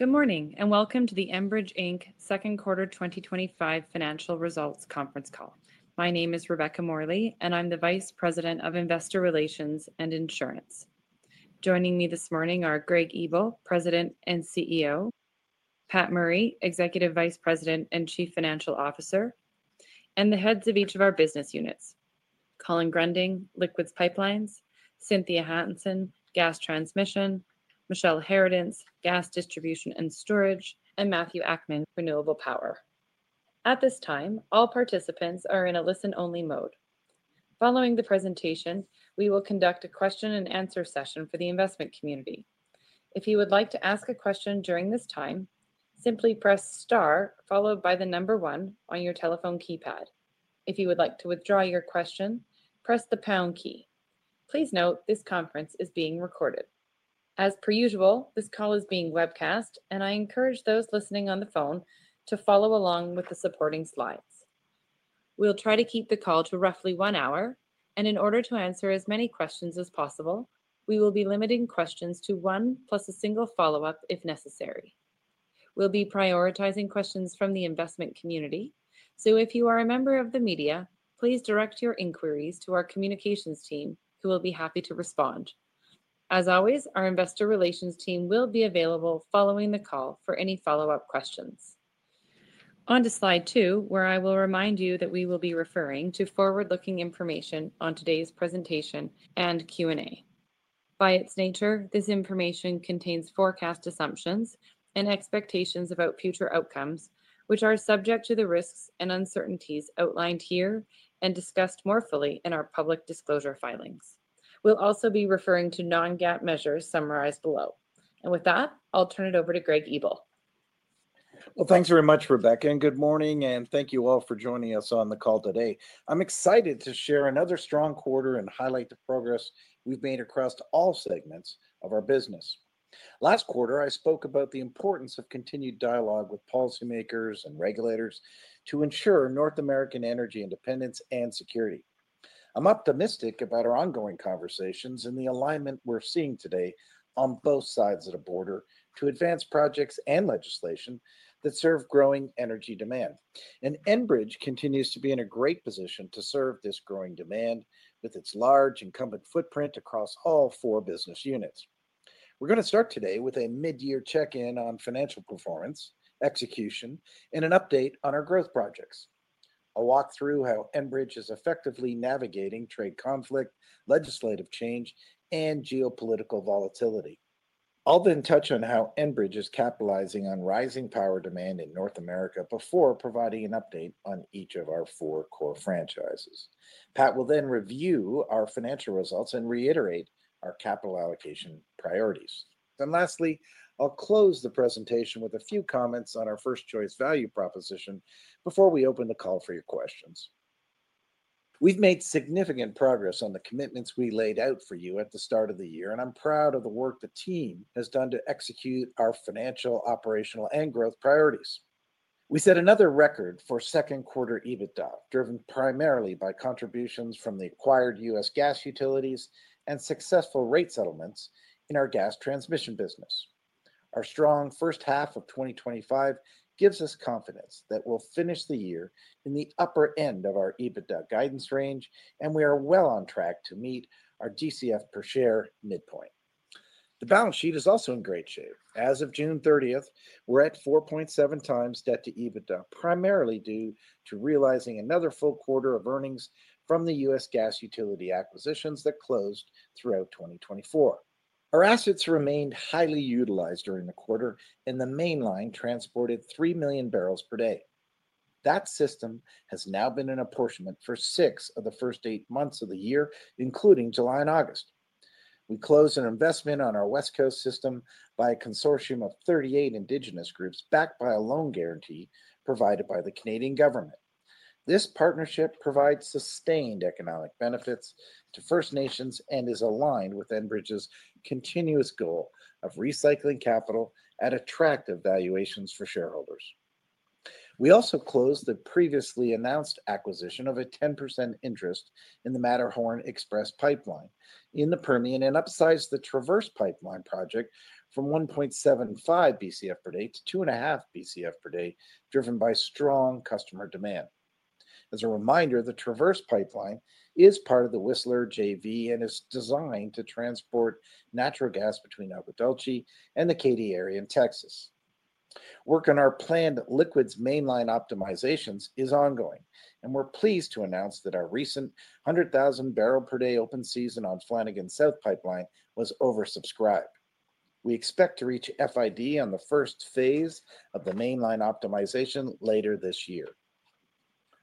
Good morning and welcome to the Enbridge Inc Second Quarter 2025 Financial Results Conference Call. My name is Rebecca Morley and I'm the Vice President of Investor Relations and Insurance. Joining me this morning are Greg Ebel, President and CEO, Pat Murray, Executive Vice President and Chief Financial Officer, and the heads of each of our business units: Colin Gruending, Liquids Pipelines; Cynthia Hansen, Gas Transmission; Michele Harradence, Gas Distribution and Storage; and Matthew Akman, Renewable Power. At this time all participants are in a listen-only mode. Following the presentation, we will conduct a question-and-answer session for the investment community. If you would like to ask a question during this time, simply press star followed by the number one on your telephone keypad. If you would like to withdraw your question, you press the pound key. Please note this conference is being recorded as per usual. This call is being webcast and I encourage those listening on the phone to follow along with the supporting slides. We'll try to keep the call to roughly one hour and in order to answer as many questions as possible, we will be limiting questions to one plus a single follow-up if necessary. We'll be prioritizing questions from the investment community, so if you are a member of the media, please direct your inquiries to our communications team who will be happy to respond. As always, our investor relations team will be available following the call for any follow-up questions. On to slide two where I will remind you that we will be referring to forward-looking information on today's presentation and Q&A. By its nature, this information contains forecast assumptions and expectations about future outcomes which are subject to the risks and uncertainties outlined here and discussed more fully in our public disclosure filings. We'll also be referring to non-GAAP measures summarized below and with that I'll turn it over to Greg Ebel. Well thanks very much, Rebecca, and good morning. Thank you all for joining us on the call today. I'm excited to share another strong quarter and highlight the progress we've made across all segments of our business. Last quarter I spoke about the importance of continued dialogue with policymakers and regulators to ensure North American energy independence and security. I'm optimistic about our ongoing conversations and the alignment we're seeing today on both sides of the border to advance projects and legislation that serve growing energy demand, and Enbridge continues to be in a great position to serve this growing demand with its large incumbent footprint across all four business units. We're going to start today with a mid-year check-in on financial performance, execution, and an update on our growth projects. I'll walk through how Enbridge is effectively navigating trade conflict, legislative change, and geopolitical volatility. I'll then touch on how Enbridge is capitalizing on rising power demand in North America before providing an update on each of our four core franchises. Pat will then review our financial results and reiterate our capital allocation priorities. Lastly, I'll close the presentation with a few comments on our First Choice value proposition before we open the call for your questions. We've made significant progress on the commitments we laid out for you at the start of the year, and I'm proud of the work the team has done to execute our financial, operational, and growth priorities. We set another record for second-quarter EBITDA, driven primarily by contributions from the acquired U.S. gas utilities and successful rate settlements in our Gas Transmission business. Our strong first half of 2025 gives us confidence that we'll finish the year in the upper end of our EBITDA guidance range, and we are well on track to meet our DCF per share midpoint. The balance sheet is also in great shape. As of June 30th, we're at 4.7x debt-to-EBITDA, primarily due to realizing another full quarter of earnings from the U.S. gas utility acquisitions that closed throughout 2024. Our assets remained highly utilized during the quarter, and the Mainline transported 3 million barrels per day. That system has now been in apportionment for six of the first eight months of the year, including July and August. We closed an investment on our West Coast System by a consortium of 38 Indigenous groups, backed by a loan guarantee provided by the Canadian government. This partnership provides sustained economic benefits to First Nations and is aligned with Enbridge's continuous goal of recycling capital at attractive valuations for shareholders. We also closed the previously announced acquisition of a 10% interest in the Matterhorn Express Pipeline in the Permian and upsized the Traverse Pipeline project from 1.75 Bcf per day-2.5 Bcf per day, driven by strong customer demand. As a reminder, the Traverse Pipeline is part of the Whistler JV and is designed to transport natural gas between Agua Dulce and the Katy area in Texas. Work on our planned Liquids Mainline optimizations is ongoing, and we're pleased to announce that our recent 100,000 barrel per day open season on Flanagan South pipeline was oversubscribed. We expect to reach FID on the first phase of the Mainline optimization later this year.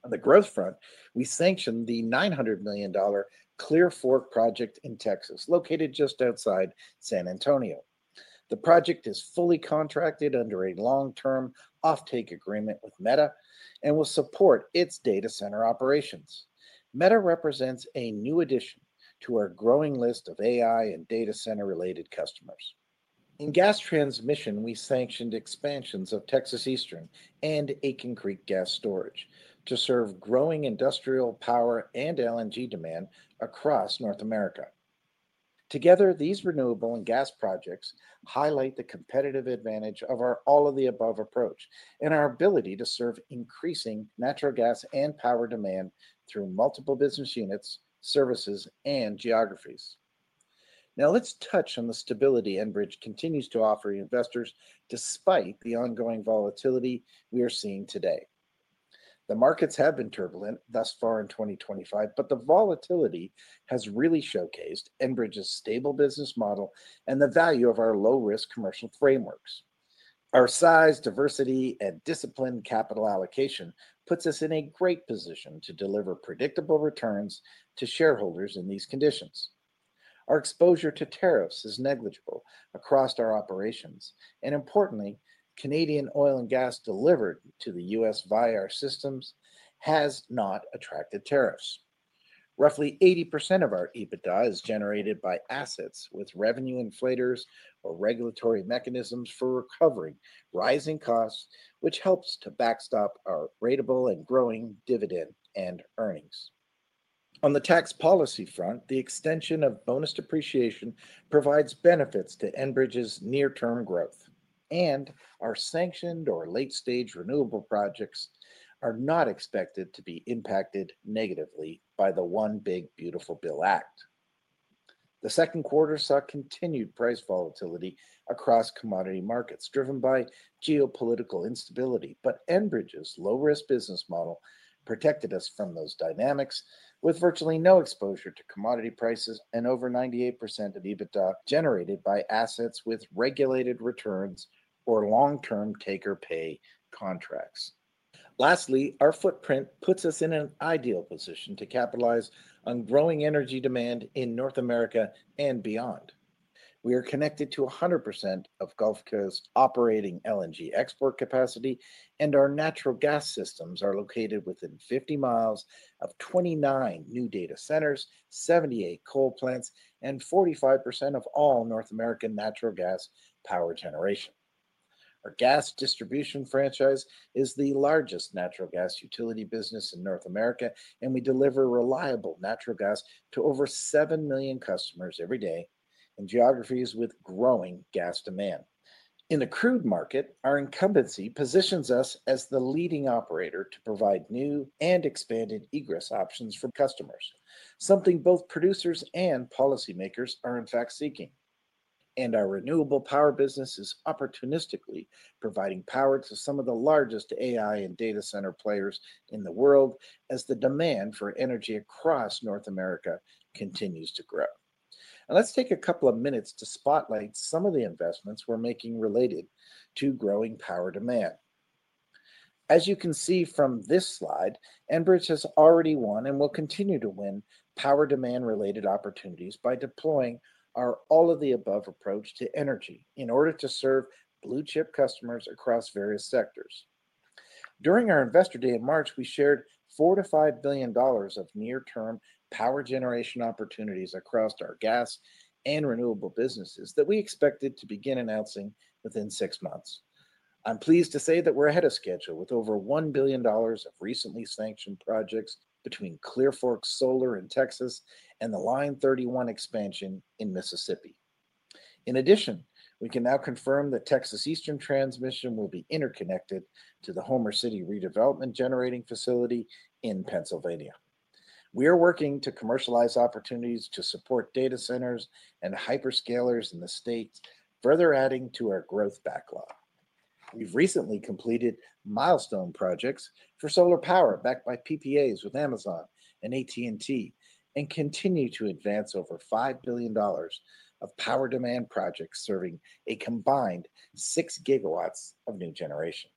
On the growth front, we sanctioned the $900 million Clear Fork project in Texas, located just outside San Antonio. The project is fully contracted under a long-term operation offtake agreement with Meta and will support its data center operations. Meta represents a new addition to our growing list of AI-related and data center customers. In Gas Transmission we sanctioned expansions of Texas Eastern and Aitken Creek gas storage to serve growing industrial, power, and LNG demand across North America. Together, these renewable and gas projects highlight the competitive advantage of our all-of-the-above approach and our ability to serve increasing natural gas and power demand through multiple business units, services, and geographies. Now let's touch on the stability Enbridge continues to offer investors despite the ongoing volatility we are seeing today. The markets have been turbulent thus far in 2025, but the volatility has really showcased Enbridge's stable business model and the value of our low-risk commercial frameworks. Our size, diversity, and disciplined capital allocation put us in a great position to deliver predictable returns to shareholders in these conditions. Our exposure to tariffs is negligible across our operations, and importantly, Canadian oil and gas delivered to the U.S. via our systems has not attracted tariffs. Roughly 80% of our EBITDA is generated by assets with revenue inflators or regulatory mechanisms for recovering rising costs, which helps to backstop our ratable and growing dividend and earnings. On the tax policy front, the extension of bonus depreciation provides benefits to Enbridge's near-term growth, and our sanctioned or late-stage renewable projects are not expected to be impacted negatively by the One Big Beautiful Bill Act. The second quarter saw continued price volatility across commodity markets driven by geopolitical instability. Enbridge's low-risk business model protected us from those dynamics with virtually no exposure to commodity prices and over 98% of EBITDA generated by assets with regulated returns or long-term take-or-pay contracts. Lastly, our footprint puts us in an ideal position to capitalize on growing energy demand in North America and beyond. We are connected to 100% of Gulf Coast operating LNG export capacity, and our natural gas systems are located within 50 miles of 29 new data centers, 78 coal plants, and 45% of all North American natural gas power generation. Our gas distribution franchise is the largest natural gas utility business in North America, and we deliver reliable natural gas to over 7 million customers every day in geographies with growing gas demand in a crude market. Our incumbency positions us as the leading operator to provide new and expanded egress options for customers, something both producers and policymakers are in fact seeking. Our renewable power business is opportunistically providing power to some of the largest AI and data center players in the world. As the demand for energy across North America continues to grow, let's take a couple of minutes to spotlight some of the investments we're making related to growing power demand. As you can see from this slide, Enbridge has already won and will continue to win power demand-related opportunities by deploying our all-of-the-above approach to energy in order to serve blue-chip customers across various sectors. During our Investor Day in March, we shared $4 billion-$5 billion of near-term power generation opportunities across our gas and renewable businesses that we expected to begin announcing within six months. I'm pleased to say that we're ahead of schedule with over $1 billion of recently sanctioned projects between Clear Fork Solar in Texas and the Line 31 expansion in Mississippi. In addition, we can now confirm that Texas Eastern will be interconnected to the Homer City Redevelopment Generating Facility in Pennsylvania. We are working to commercialize opportunities to support data centers and hyperscalers in the U.S. Further adding to our growth backlog, we've recently completed milestone projects for solar power backed by PPAs with Amazon and AT&T and continue to advance over $5 billion of power demand projects serving a combined 6 gigawatts of new generation.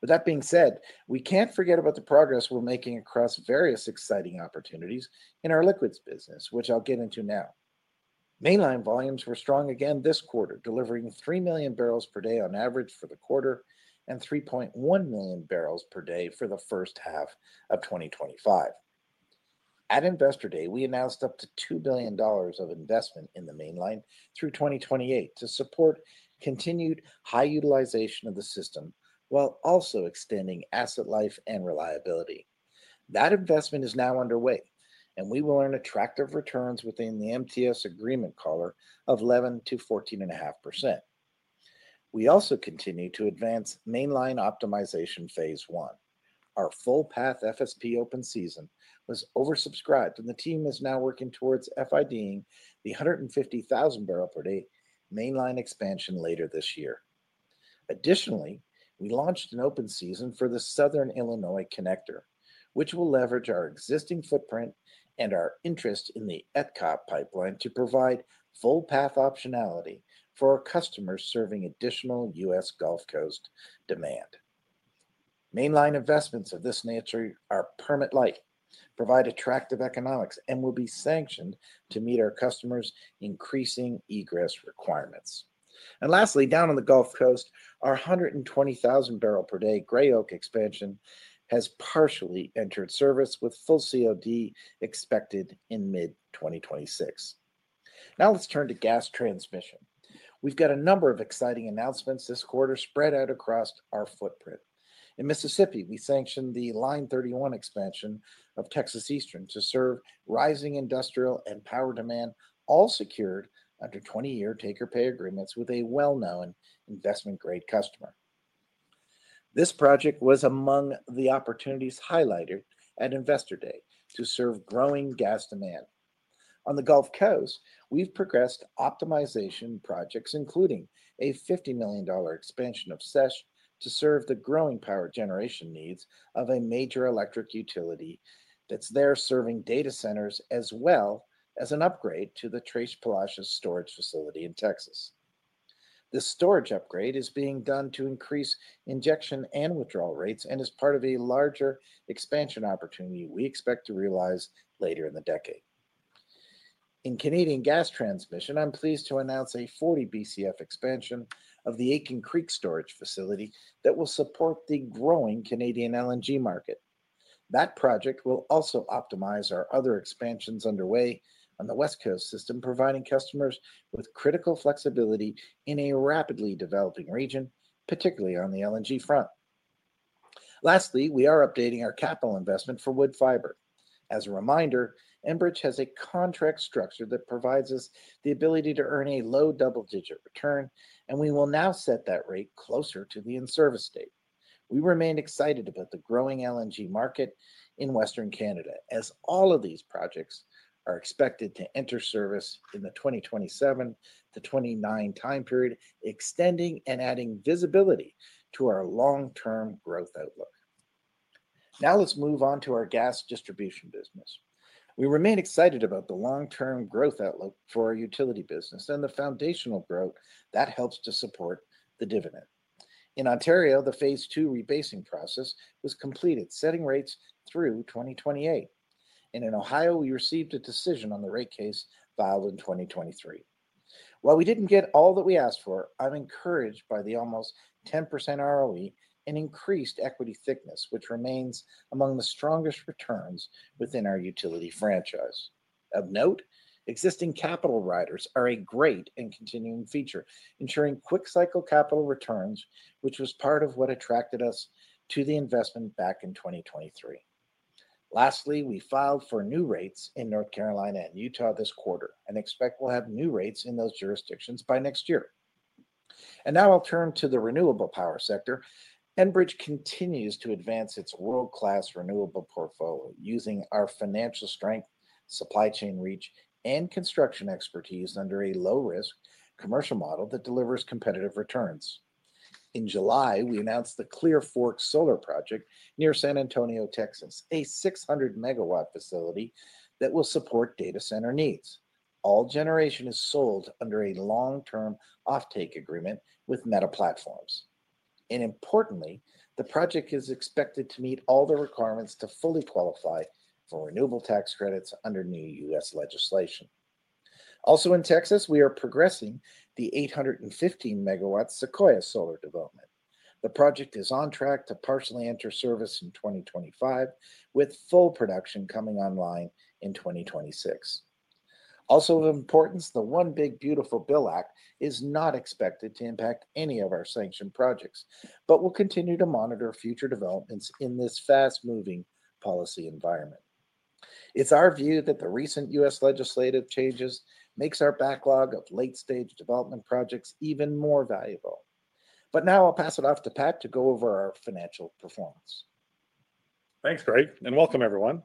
With that being said, we can't forget about the progress we're making across various exciting opportunities in our liquids business, which I'll get into now. Mainline volumes were strong again this quarter, delivering 3 million barrels per day on average for the quarter and 3.1 million barrels per day for the first half of 2025. At Investor Day, we announced up to $2 billion of investment in the Mainline through 2028 to support continued high utilization of the system while also extending asset life and reliability. That investment is now underway and we will earn attractive returns within the MTS agreement collar of 11%-14.5%. We also continue to advance Mainline optimization phase one. Our full path FSP open season was oversubscribed and the team is now working towards FID-ing the 150,000 barrel per day Mainline expansion later this year. Additionally, we launched an open season for the Southern Illinois Connector, which will leverage our existing footprint and our interest in the ETCOP pipeline to provide full path optionality for our customers serving additional U.S. Gulf Coast demand. Mainline investments of this nature are permit light, provide attractive economics, and will be sanctioned to meet our customers' increasing egress requirements. Lastly, down on the Gulf Coast, our 120,000 barrel per day Grey Oak expansion has partially entered service with full COD expected in mid-2026. Now let's turn to Gas Transmission. We've got a number of exciting announcements this quarter spread out across our footprint in Mississippi. We sanctioned the Line 31 expansion of Texas Eastern to serve rising industrial and power demand, all secured under 20-year take-or-pay agreements with a well-known investment-grade customer. This project was among the opportunities highlighted at Investor Day to serve growing gas demand on the Gulf Coast. We've progressed optimization projects including a $50 million expansion of SESH to serve the growing power generation needs of a major electric utility that's there serving data centers as well as an upgrade to the Trace Palac's storage facility in Texas. This storage upgrade is being done to increase injection and withdrawal rates and is part of a larger expansion opportunity we expect to realize later in the decade in Canadian gas transmission. I'm pleased to announce a 40 Bcf expansion of the Aitken Creek storage facility that will support the growing Canadian LNG market. That project will also optimize our other expansion underway on the West Coast System, providing customers with critical flexibility in a rapidly developing region, particularly on the LNG front. Lastly, we are updating our capital investment for Woodfibre. As a reminder, Enbridge has a contract structure that provides us the ability to earn a low double-digit return and we will now set that rate closer to the in-service date. We remain excited about the growing LNG market in Western Canada as all of these projects are expected to enter service in the 2027-2029 time period, extending and adding visibility to our long-term growth outlook. Now let's move on to our Gas Distribution business. We remain excited about the long-term growth outlook for our utility business and the foundational growth that helps to support the dividend. In Ontario the phase two rebasing process was completed setting rates through 2028 and in Ohio we received a decision on the rate case filed in 2023. While we didn't get all that we asked for, I'm encouraged by the almost 10% ROE and increased equity thickness which remains among the strongest returns within our utility franchise. Of note, existing capital riders are a great and continuing feature ensuring quick cycle capital returns which was part of what attracted us to the investment back in 2023. Lastly, we filed for new rates in North Carolina and Utah this quarter and expect we'll have new rates in those jurisdictions by next year. Now I'll turn to the Renewable Power sector. Enbridge continues to advance its world class renewable portfolio using our financial strength, supply chain reach and construction expertise under a low risk commercial model that delivers competitive returns. In July we announced the Clear Fork Solar project near San Antonio, Texas, a 600 MW facility that will support data center needs. All generation is sold under a long-term offtake agreement with Meta Platforms, and importantly, the project is expected to meet all the requirements to fully qualify for renewable tax credits under new U.S. legislation. Also in Texas, we are progressing the 81 MW Sequoia solar development. The project is on track to partially enter service in 2025, with full production coming online in 2026. Also of importance, the One Big Beautiful Bill Act is not expected to impact any of our sanctioned projects. We will continue to monitor future developments. In this fast-moving policy environment, it's our view that the recent U.S. legislative changes make our backlog of late-stage development projects even more valuable. Now I'll pass it off to Pat to go over our financial performance. Thanks Greg and welcome everyone.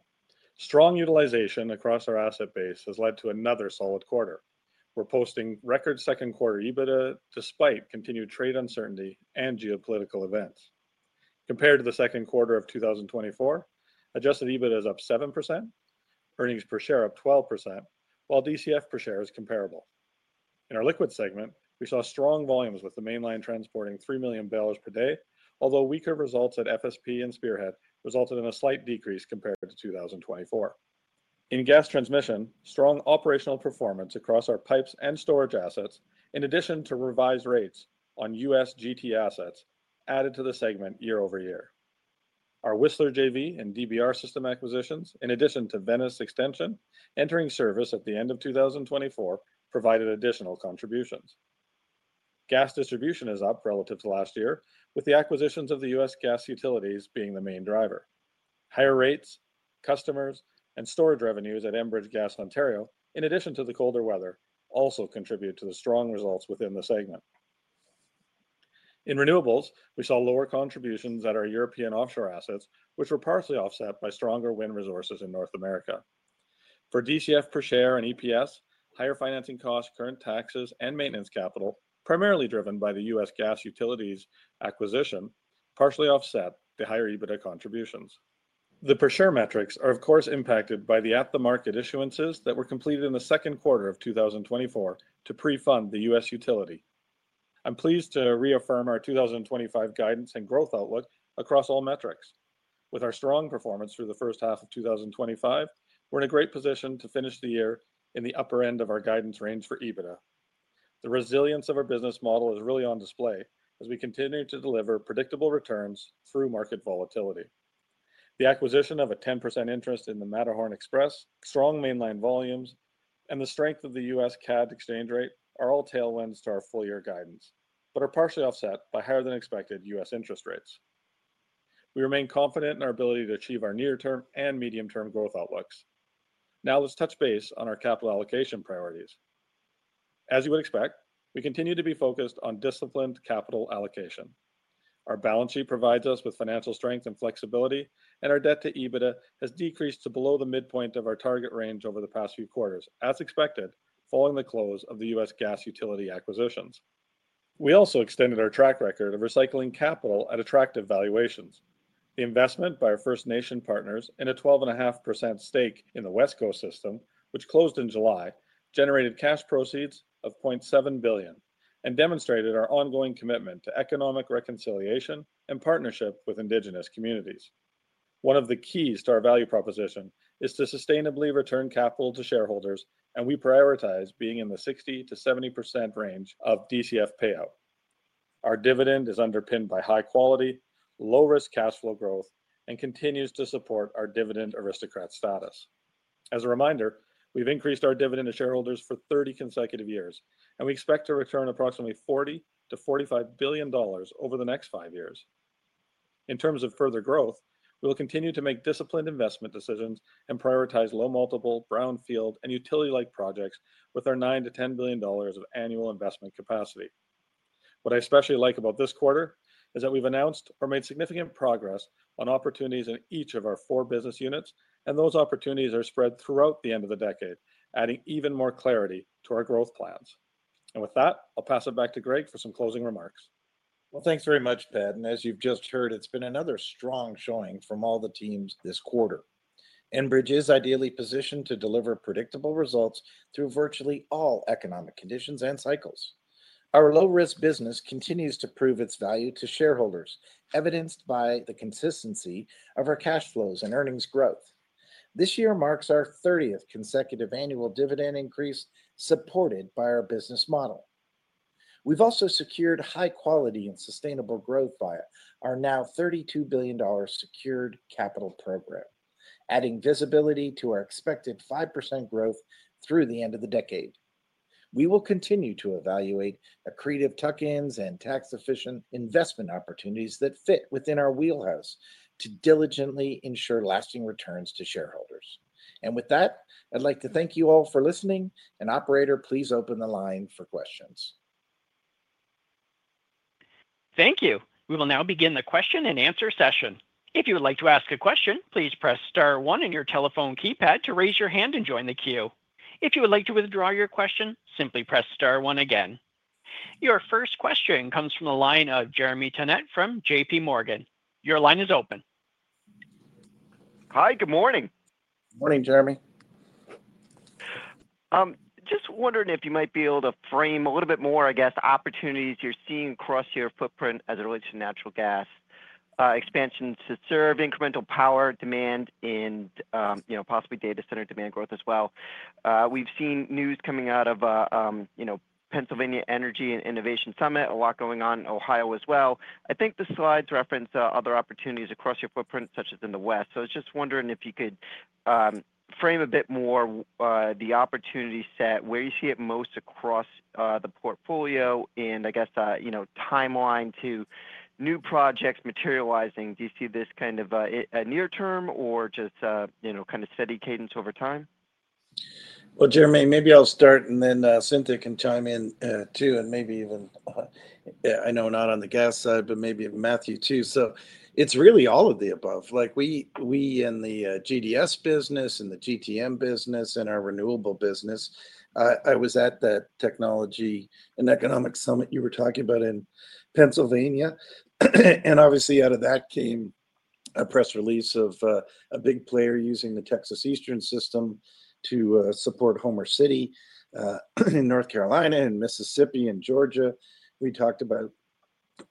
Strong utilization across our asset base has led to another solid quarter. We're posting record second-quarter EBITDA despite continued trade uncertainty and geopolitical events. Compared to the second quarter of 2024, adjusted EBITDA is up 7%. Earnings per share up 12% while DCF per share is comparable. In our Liquids segment, we saw strong volumes with the Mainline transporting 3 million barrels per day, although weaker results at FSP and Spearhead resulted in a slight decrease compared to 2024. In Gas Transmission, strong operational performance across our pipes and storage assets in addition to revised rates on U.S. GT assets added to the segment year-over-year. Our Whistler JV and DBR system acquisitions, in addition to Venice Extension entering service at the end of 2024, provided additional contributions. Gas Distribution is up relative to last year with the acquisitions of the U.S. gas utilities being the main driver. Higher rates, customers, and storage revenues at Enbridge Gas Ontario in addition to the colder weather also contribute to the strong results within the segment. In Renewables, we saw lower contributions at our European offshore assets which were partially offset by stronger wind resources in North America. For DCF per share and EPS, higher financing costs, current taxes, and maintenance capital primarily driven by the U.S. gas utilities acquisition partially offset the higher EBITDA contributions. The per share metrics are of course impacted by the at-the-market issuances that were completed in the second quarter of 2024 to pre-fund the U.S. utility. I'm pleased to reaffirm our 2025 guidance and growth outlook across all metrics. With our strong performance through the first half of 2025, we're in a great position to finish the year in the upper end of our guidance range for EBITDA. The resilience of our business model is really on display as we continue to deliver predictable returns through market volatility. The acquisition of a 10% interest in the Matterhorn Express, strong Mainline volumes, and the strength of the U.S.-CAD exchange rate are all tailwinds to our full-year guidance but are partially offset by higher-than-expected U.S. interest rates. We remain confident in our ability to achieve our near-term and medium-term growth outlooks. Now let's touch base on our capital allocation priorities. As you would expect, we continue to be focused on disciplined capital allocation. Our balance sheet provides us with financial strength and flexibility, and our debt-to-EBITDA has decreased to below the midpoint of our target range over the past few quarters, as expected. Following the close of the U.S. Gas Utility acquisitions, we also extended our track record of recycling capital at attractive valuations. The investment by our First Nation Partners in a 12.5% stake in the West Coast System, which closed in July, generated cash proceeds of $0.7 billion and demonstrated our ongoing commitment to economic reconciliation and partnership with Indigenous communities. One of the keys to our value proposition is to sustainably return capital to shareholders, and we prioritize being in the 60%-70% range of DCF payout. Our dividend is underpinned by high-quality, low-risk cash flow growth and continues to support our dividend aristocrat status. As a reminder, we've increased our dividend to shareholders for 30 consecutive years, and we expect to return approximately $40 billion-$45 billion over the next five years. In terms of further growth, we will continue to make disciplined investment decisions and prioritize low-multiple brownfield and utility-like projects with our $9 billion-$10 billion of annual investment capacity. What I especially like about this quarter is that we've announced or made significant progress on opportunities in each of our four business units, and those opportunities are spread throughout the end of the decade, adding even more clarity to our growth plans. With that, I'll pass it back to Greg for some closing remarks. Thank you very much, Pat. As you've just heard, it's been another strong showing from all the teams this quarter. Enbridge is ideally positioned to deliver predictable results through virtually all economic conditions and cycles. Our low-risk business continues to prove its value to shareholders, as evidenced by the consistency of our cash flows and earnings growth. This year marks our 30th consecutive annual dividend increase, supported by our business model. We've also secured high-quality and sustainable growth via our now $32 billion secured capital program, adding visibility to our expected 5% growth through the end of the decade. We will continue to evaluate accretive tuck-ins and tax-efficient investment opportunities that fit within our wheelhouse to diligently ensure lasting returns to shareholders. I would like to thank you all for listening. And operator, please open the line for questions. Thank you. We will now begin the question-and-answer session. If you would like to ask a question, please press star one on your telephone keypad to raise your hand and join the queue. If you would like to withdraw your question, simply press star one again. Your first question comes from the line of Jeremy Tonet from JPMorgan. Your line is open. Hi, good morning. Morning Jeremy. Just wondered if you might be able to frame a little bit more, I guess, opportunities you're seeing across your footprint as it relates to natural gas expansion to serve incremental power demand and, you know, possibly data center demand growth as well. We've seen news coming out, you know, Pennsylvania Energy Innovation Summit, a lot going on in Ohio as well. I think the slides reference other opportunities across your footprint such as in the West. I was just wondering if you could frame a bit more the opportunity set where you see it most across the portfolio and, I guess, you know, timeline to new projects materializing. Do you see this kind of near-term or just kind of steady cadence over time? Jeremy, maybe I'll start and then Cynthia can chime in too and maybe even, I know, not on the gas side but maybe Matthew too. It's really all of the above. We in the GDS business and the GTM business and our Renewable business. I was at that technology and economic summit you were talking about in Pennsylvania, and obviously out of that came a press release of a big player using the Texas Eastern system to support Homer City in North Carolina and Mississippi and Georgia we talked about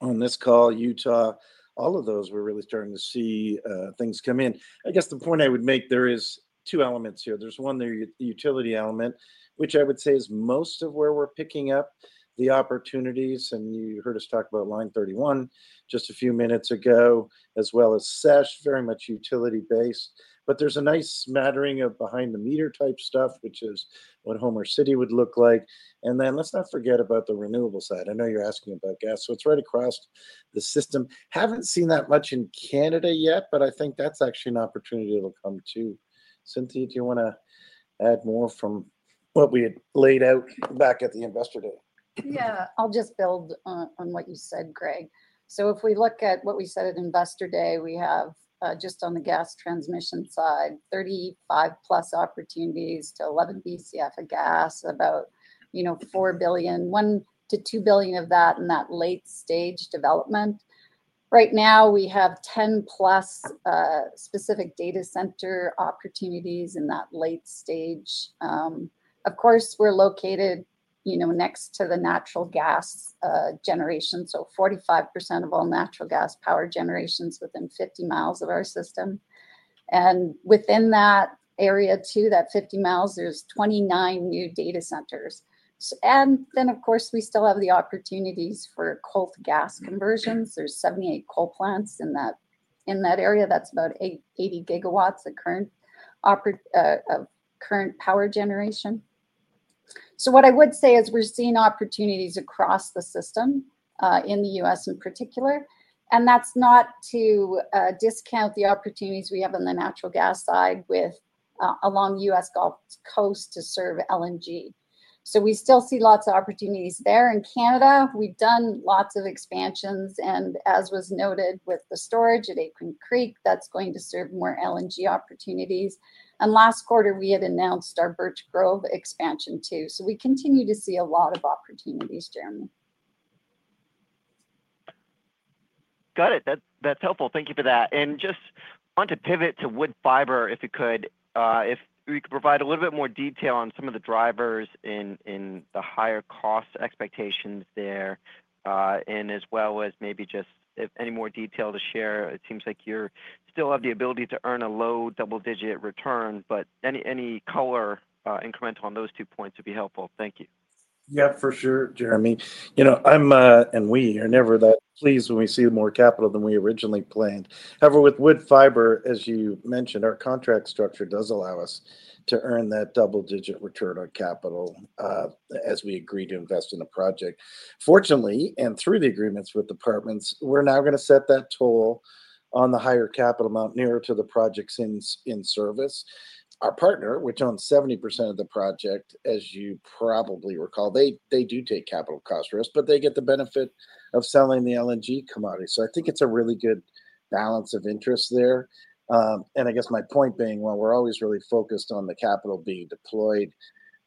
on this call, Utah, all of those. We're really starting to see things come in. I guess the point I would make there is two elements here. There's one utility element, which I would say is most of where we're picking up the opportunities. You heard us talk about Line 31 just a few minutes ago as well as SESH, very much utility-based. There's a nice smattering of behind the meter type stuff, which is what Homer City would look like. Let's not forget about the Renewable side. I know you're asking about gas, so it's right across the system. Haven't seen that much in Canada yet, but I think that's actually an opportunity that'll come too. Cynthia, do you want to add more from what we had laid out back at the Investor Day? Yeah, I'll just build on what you said, Greg. If we look at what we said at Investor Day, we have just on the Gas Transmission side, 35+ opportunities to 11 Bcf of gas, about, you know, $4 billion. $1 billion-$2 billion of that in that late-stage development. Right now we have 10+ specific data center opportunities in that late stage. Of course, we're located, you know, next to the natural gas generation. So 45% of all natural gas power generation is within 50 miles of our system, and within that area too, that 50 miles, there's 29 new data centers. And then of course, we still have the opportunities for coal to gas conversions. There are 78 coal plants in that area. That's about 80 GW of current power generation. So what I would say is we're seeing opportunities across the system in the U.S. in particular, and that's not to discount the opportunities we have on the natural gas side along the U.S. Gulf Coast to serve LNG. We still see lots of opportunities there. In Canada, we've done lots of expansions, and as was noted with the storage at Aitken Creek, that's going to serve more LNG opportunities. And last quarter we had announced our Birch Grove expansion too. We continue to see a lot of opportunities. Jeremy. Got it. That's helpful. Thank you for that. And just want to pivot to wood fiber if you could, if we could provide a little bit more detail on some of the drivers in the higher cost expectations there, as well as maybe just if any more detail to share. It seems like you still have the ability to earn a low double-digit return, but any color incremental on those two points would be helpful. Thank you. Yeah, for sure, Jeremy. You know, we are never that pleased when we see more capital than we originally planned. However, with wood fiber, as you mentioned, our contract structure does allow us to earn that double-digit return on capital as we agree to invest in a project. Fortunately, and through the agreements with departments, we're now going to set that toll on the higher capital amount nearer to the project's in-service. Our partner, which owns 70% of the project, as you probably recall, does take capital cost risk, but they get the benefit of selling the LNG commodity. I think it's a really good balance of interest there. And I guess my point being, while we're always really focused on the capital being deployed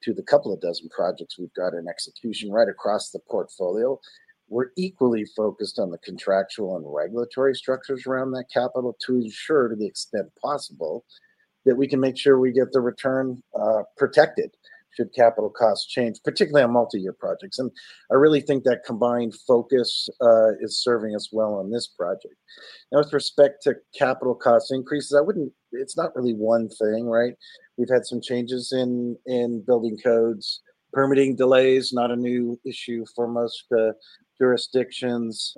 to the couple of dozen projects we've got in execution right across the portfolio, we're equally focused on the contractual and regulatory structures around that capital to ensure, to the extent possible, that we can make sure we get the return protected should capital costs change, particularly on multi-year projects. I really think that combined focus is serving us well on this project. Now, with respect to capital cost increases, it's not really one thing, right? We've had some changes in building codes, permitting delays, not a new issue for most jurisdictions.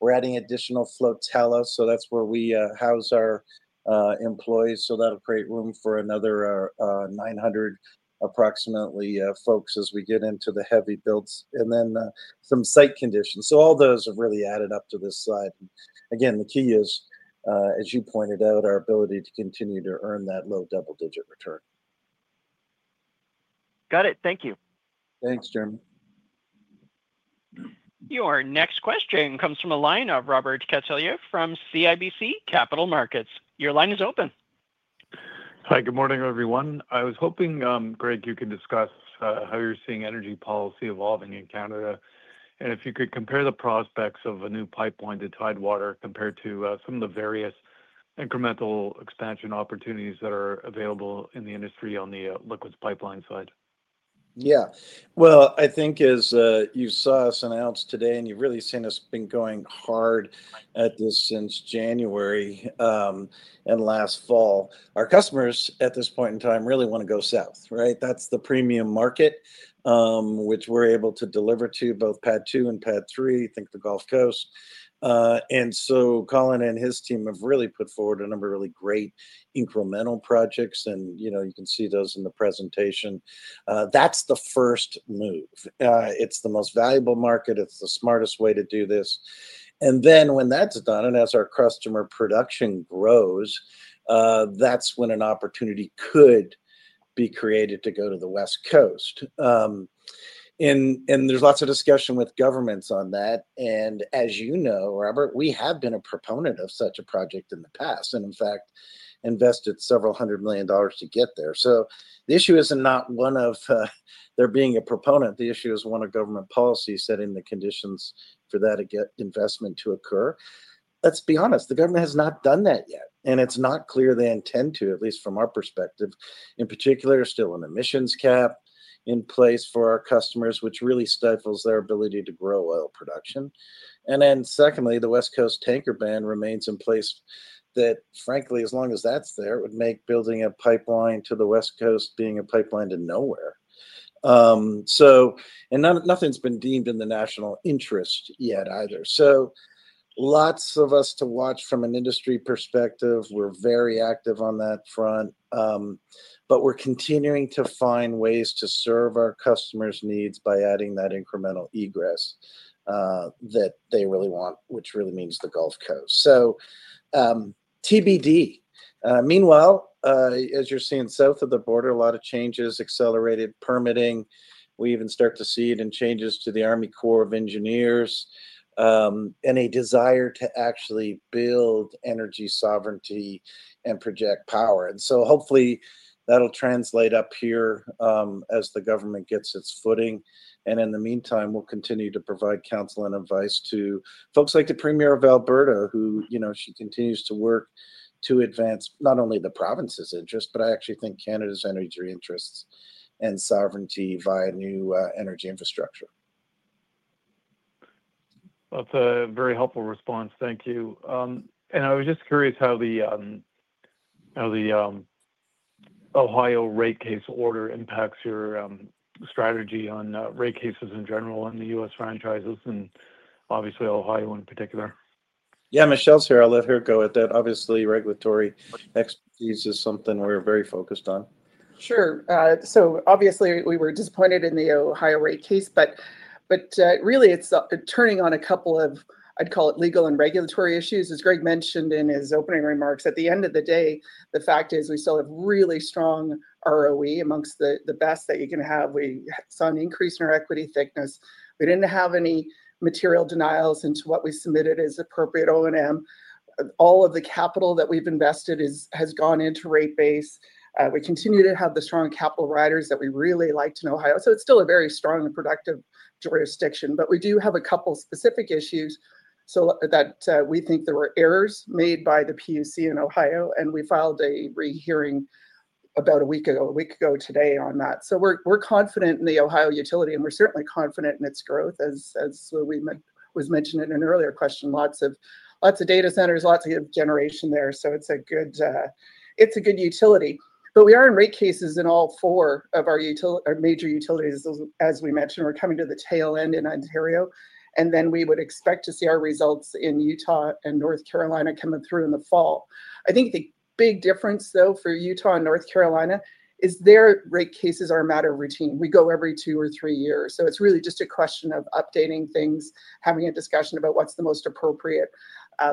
We're adding additional flotillas, so that's where we house our employees. That'll create room for another 900 approximately folks as we get into the heavy builds, and then some site conditions. All those have really added up to this site. Again, the key is, as you pointed out, our ability to continue to earn that low double-digit return. Got it. Thank you. Thanks, Jeremy. Your next question comes from a line of Robert Catellier from CIBC Capital Markets. Your line is open. Hi, good morning everyone. I was hoping Greg, you could discuss how you're seeing energy policy evolving in Canada and if you could compare the prospects of a new pipeline to Tidewater compared to some of the various incremental expansion opportunities that are available in the industry on the Liquids Pipelines side. Yeah well, I think as you saw us announce today and you've really seen us going hard at this since January and last fall, our customers at this point in time really want to go south. That's the premium market which we're able to deliver to both PADD II and PADD III, think the Gulf Coast. So, Colin and his team have really put forward a number of really great incremental projects. You can see those in the presentation. That's the first move. It's the most valuable market. It's the smartest way to do this. When that's done and as our customer production grows, that's when an opportunity could be created to go to the West Coast. And there's lots of discussion with governments on that. As you know, Robert, we have been a proponent of such a project in the past and in fact invested several $100 million to get there. The issue is not one of there being a proponent. The issue is one of government policy setting the conditions for that investment to occur. To be honest, the government has not done that yet and it's not clear they intend to, at least from our perspective. In particular, still an emissions cap in place for our customers, which really stifles their ability to grow oil production. Secondly, the West Coast tanker ban remains in place. That, frankly, as long as that's there, would make building a pipeline to the West Coast being a pipeline to nowhere. So nothing's been deemed in the national interest yet either. Lots for us to watch from an industry perspective. We're very active on that front, but we're continuing to find ways to serve our customers' needs by adding that incremental egress that they really want, which really means the Gulf Coast. So, TBD, meanwhile, as you're seeing south of the border, a lot of changes, accelerated permitting. We even start to see it in changes to the Army Corps of Engineers and a desire to actually build energy sovereignty and project power. Hopefully that'll translate up here as the government gets its footing. In the meantime, we'll continue to provide counsel and advice to folks like the Premier of Alberta, who, you know, she continues to work to advance not only the province's interest, but I actually think Canada's energy interests and sovereignty via new energy infrastructure. That's a very helpful response. Thank you. I was just curious how the Ohio rate case order impacts your strategy on rate cases in general and the U.S. Franchises and obviously Ohio in particular. Yeah, Michele's here. I'll let her go at that. Obviously, regulatory expertise is something we're very focused on. Sure. So, obviously we were disappointed in the Ohio rate case, but really it's turning on a couple of, I'd call it, legal and regulatory issues. As Greg mentioned in his opening remarks, at the end of the day, the fact is we still have really strong ROE, amongst the best that you can have. We saw an increase in our equity thickness. We didn't have any material denials into what we submitted as appropriate O&M. All of the capital that we've invested has gone into rate base. We continue to have the strong capital riders that we really liked in Ohio. So it's still a very strong and productive jurisdiction. We do have a couple specific issues that we think there were errors made by the PUC in Ohio, and we filed a rehearing about a week ago, a week ago today on that. So we're confident in the Ohio utility and we're certainly confident in its growth. As was mentioned in an earlier question, lots of data centers, lots of generation there, so it's a good utility. We are in rate cases in all four of our major utilities. As we mentioned, we're coming to the tail end in Ontario. And then we would expect to see our results in Utah and North Carolina coming through in the fall. I think the big difference for Utah and North Carolina is their rate cases are a matter of routine. We go every two or three years. It's really just a question of updating things, having a discussion about what's the most appropriate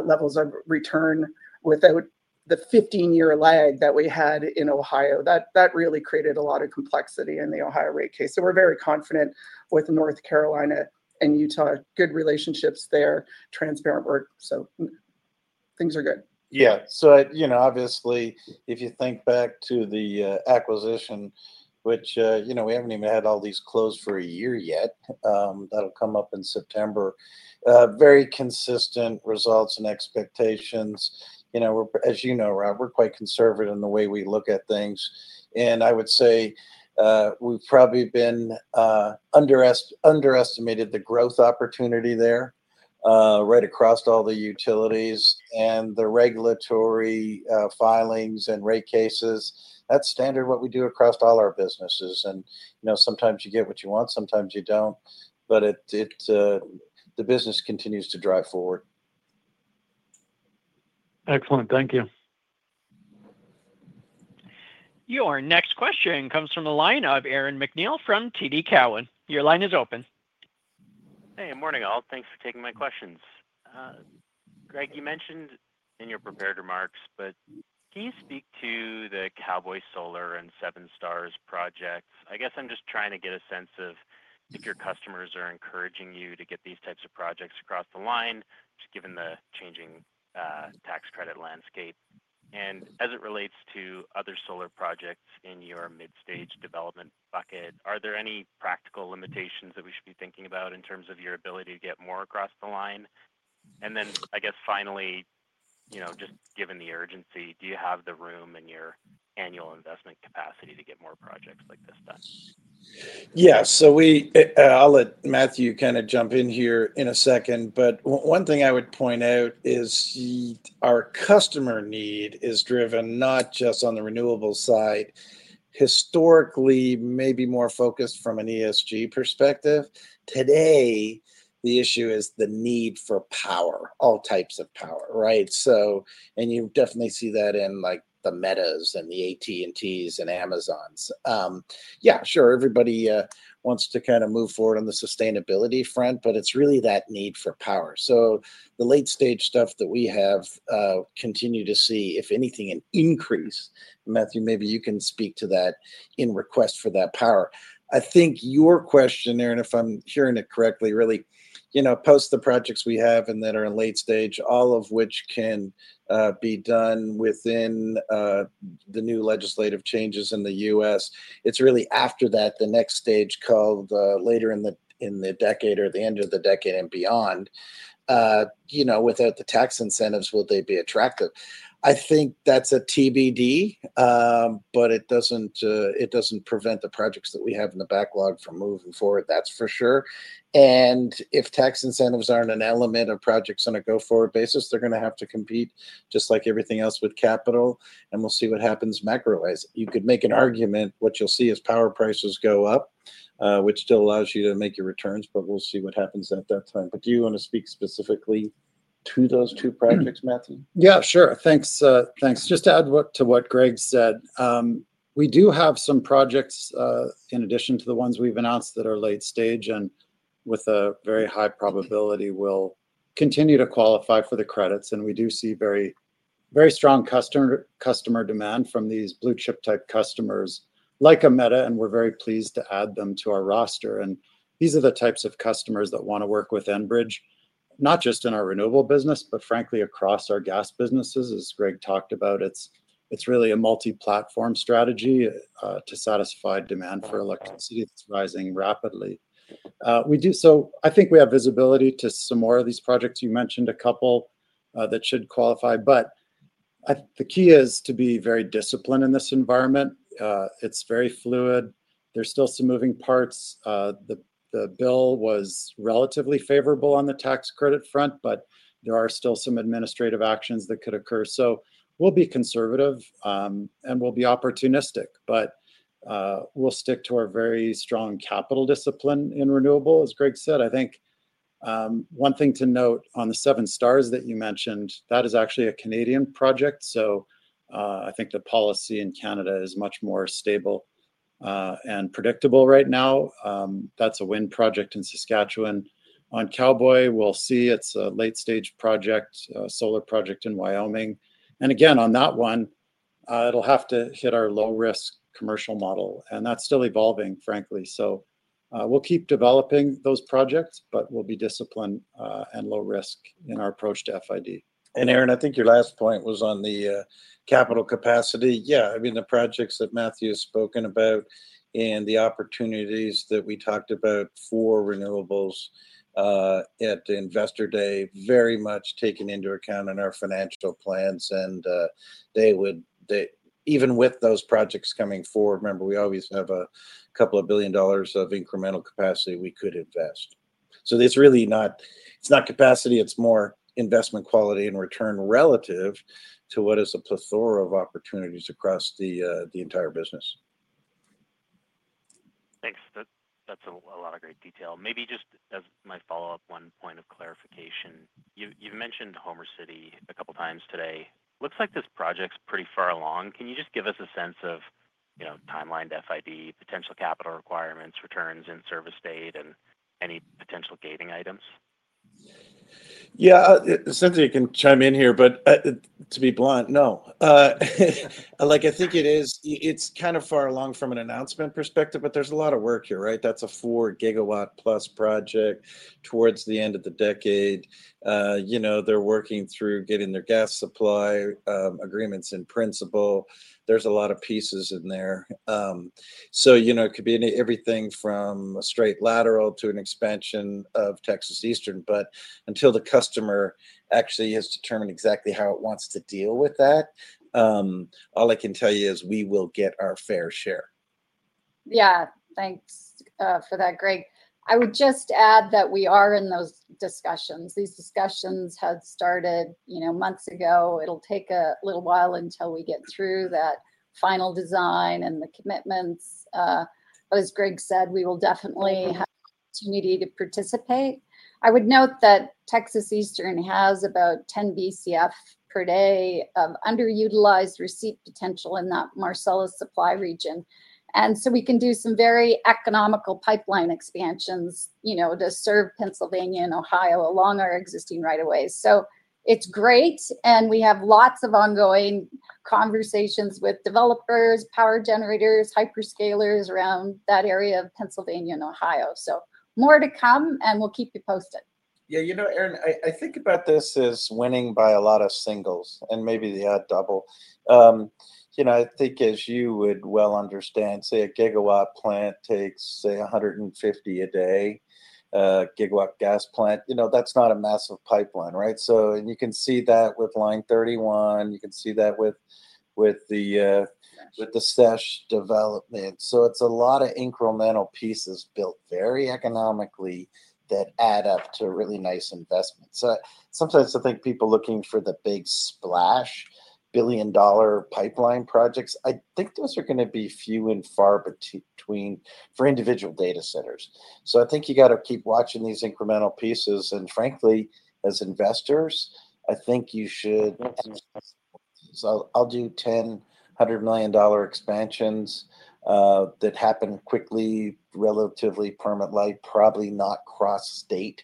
levels of return without the 15-year lag that we had in Ohio. That really created a lot of complexity in the Ohio rate case. We're very confident with North Carolina and Utah. Good relationships there, transparent work. So, things are good. Yeah. So obvioulsy if you think back to the acquisition, which we haven't even had all these clear closed for a year yet, that'll come up in September. Very consistent results and expectations. As you know, Robert, we're quite conservative in the way we look at things, and I would say we've probably been underestimated. The growth opportunity there right across all the utilities and the regulatory filings and rate cases. That's standard what we do across all our businesses. Sometimes you get what you want, sometimes you don't. The business continues to drive forward. Excellent. Thank you. Your next question comes from the line of Aaron MacNeil from TD Cowen. Your line is open. Hey, good morning all. Thanks for taking my questions. Greg, you mentioned in your prepared remarks, but can you speak to the Cowboy Solar and Seven Stars projects? I guess I'm just trying to get a sense of if your customers are encouraging you to get these types of projects across the line, given the changing tax credit landscape, and as it relates to other solar projects in your mid-stage development bucket, are there any practical limitations that we should be thinking about in terms of your ability to get more across the line? And then, I guess finally, just given the urgency, do you have the room in your annual investment capacity to get more projects like this done? Yeah, I'll let Matthew kind of jump in here in a second. One thing I would point out is our customer need is driven not just on the renewable side, historically maybe more focused from an ESG perspective. Today the issue is the need for power, all types of power. Right, so you definitely see that in the Metas and the AT&Ts and Amazons. Yeah sure, everybody wants to kind of move forward on the sustainability front, but it's really that need for power. The late-stage stuff that we have, we continue to see, if anything, an increase. Matthew, maybe you can speak to that in request for that power. I think your question, Aaron, if I'm hearing it correctly, really post the projects we have and that are in late stage, all of which can be done within the new legislative changes in the U.S., it's really after that, the next stage called later in the decade or the end of the decade and beyond without the tax incentives. Will they be attractive? I think that's a TBD, but it doesn't prevent the projects that we have in the backlog from moving forward, that's for sure. And if tax incentives aren't an element of projects on a go-forward basis, they're going to have to compete just like everything else with capital and we'll see what happens macro-wise, you could make an argument what you'll see is power prices go up, which still allows you to make your returns. We'll see what happens at that time. Do you want to speak specifically to those two projects, Matthew? Yeah, sure. Thanks. Just to add to what Greg said, we do have some projects in addition to the ones we've announced that are late stage and with a very high probability will continue to qualify for the credits. We do see very, very strong customer demand from these blue-chip type customers like Meta and we're very pleased to add them to our roster. These are the types of customers that want to work with Enbridge, not just in our Renewable business, but frankly across our Gas businesses. As Greg talked about, it's really a multi-platform strategy to satisfy demand for electricity that's rising rapidly. I think we have visibility to some more of these projects. You mentioned a couple that should qualify, but the key is to be very disciplined in this environment. It's very fluid, there's still some moving parts. The bill was relatively favorable on the tax credit front, but there are still some administrative actions that could occur. We'll be conservative and opportunistic, but we'll stick to our very strong capital discipline in Renewable, as Greg said. I think, one thing to note on the Seven Stars that you mentioned, that is actually a Canadian project. The policy in Canada is much more stable and predictable. Right now that's a Wind project in Saskatchewan on Cowboy. We'll see it's a late-stage project, Solar project in Wyoming, and again on that one it'll have to hit our low-risk commercial model and that's still evolving, frankly. So we'll keep developing those projects, but we'll be disciplined and low risk in our approach to FID. And Aaron, I think your last point was on the capital capacity. The projects that Matthew has spoken about and the opportunities that we talked about for renewables at Investor Day are very much taken into account in our financial plans. Even with those projects coming forward, remember we always have a couple of billion dollars of incremental capacity we could invest. So it's really not capacity, it's more investment quality and return relative to what is a plethora of opportunities across the entire business. Thanks, that's a lot of great detail. Maybe just as my follow-up, one point of clarification, you've mentioned Homer City a couple times today. Looks like this project's pretty far along. Can you just give us a sense of timeline to FID, potential capital requirements, returns, in-service date, and any potential gating items? Yeah, Cynthia can chime in here, but to be blunt, no, like I think it is, it's kind of far along from an announcement perspective. There's a lot of work here, right? That's a 4 GW+ project towards the end of the decade. They're working through getting their gas supply agreements. In principle, there's a lot of pieces in there. So you know it could be everything from a straight lateral to an expansion of Texas Eastern. But until the customer actually has determined exactly how it wants to deal with that, all I can tell you is we will get our fair share. Yeah, thanks for that, Greg. I would just add that we are in those discussions. These discussions started months ago. It'll take a little while until we get through that final design and the commitments. As Greg said, we will definitely have opportunity to participate. I would note that Texas Eastern has about 10 Bcf per day of underutilized receipt potential in that Marcellus Supply region. We can do some very economical pipeline expansions to serve Pennsylvania and Ohio along our existing right of ways. It's great, and we have lots of ongoing conversations with developers, power generators, hyperscalers around that area of Pennsylvania and Ohio. More to come and we'll keep you posted. Yeah. You know, Aaron, I think about this as winning by a lot of singles and maybe the odd double. I think as you would well understand, say a GW plant takes, say, 150 a day GW gas plant, you know, that's not a massive pipeline, right? And you can see that with Line 31. You can see that with the SESH development. So it's a lot of incremental pieces built very economically that add up to a really nice investment. Sometimes I think people are looking for the big splash billion-dollar pipeline projects. I think those are going to be few and far between for individual data centers. You got to keep watching these incremental pieces and frankly as investors I think you should. I'll do ten $100 million expansions that happen quickly, relatively permanently, probably not cross state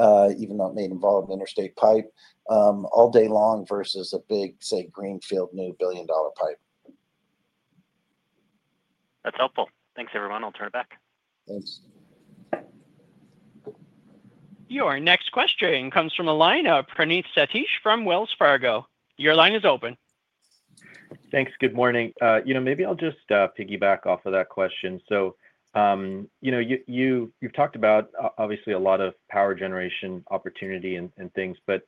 even though it may involve interstate pipe all day long versus a big, say, greenfield new billion-dollar pipe. That's helpful. Thanks, everyone. I'll turn it back. Thanks. Your next question comes from a line of Praneeth Satish from Wells Fargo. Your line is open. Thanks. Good morning. Maybe I'll just piggyback off of that question. You've talked about obviously a lot of power generation opportunity and things, but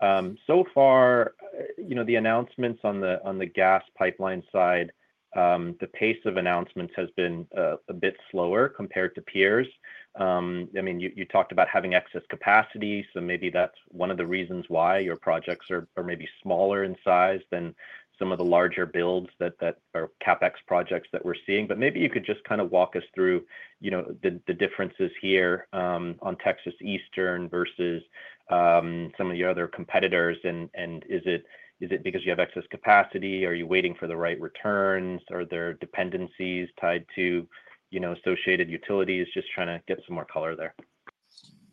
so far the announcements on the gas pipeline side, the pace of announcements has been a bit slower compared to peers. You talked about having excess capacity. Maybe that's one of the reasons why your projects are maybe smaller in size than some of the larger builds that are CapEx projects that we're seeing. Maybe you could just kind of walk us through the differences here on Texas Eastern versus some of your other competitors. Is it because you have excess capacity? Are you waiting for the right returns? Are there dependencies tied to associated utilities? Just trying to get some more color there.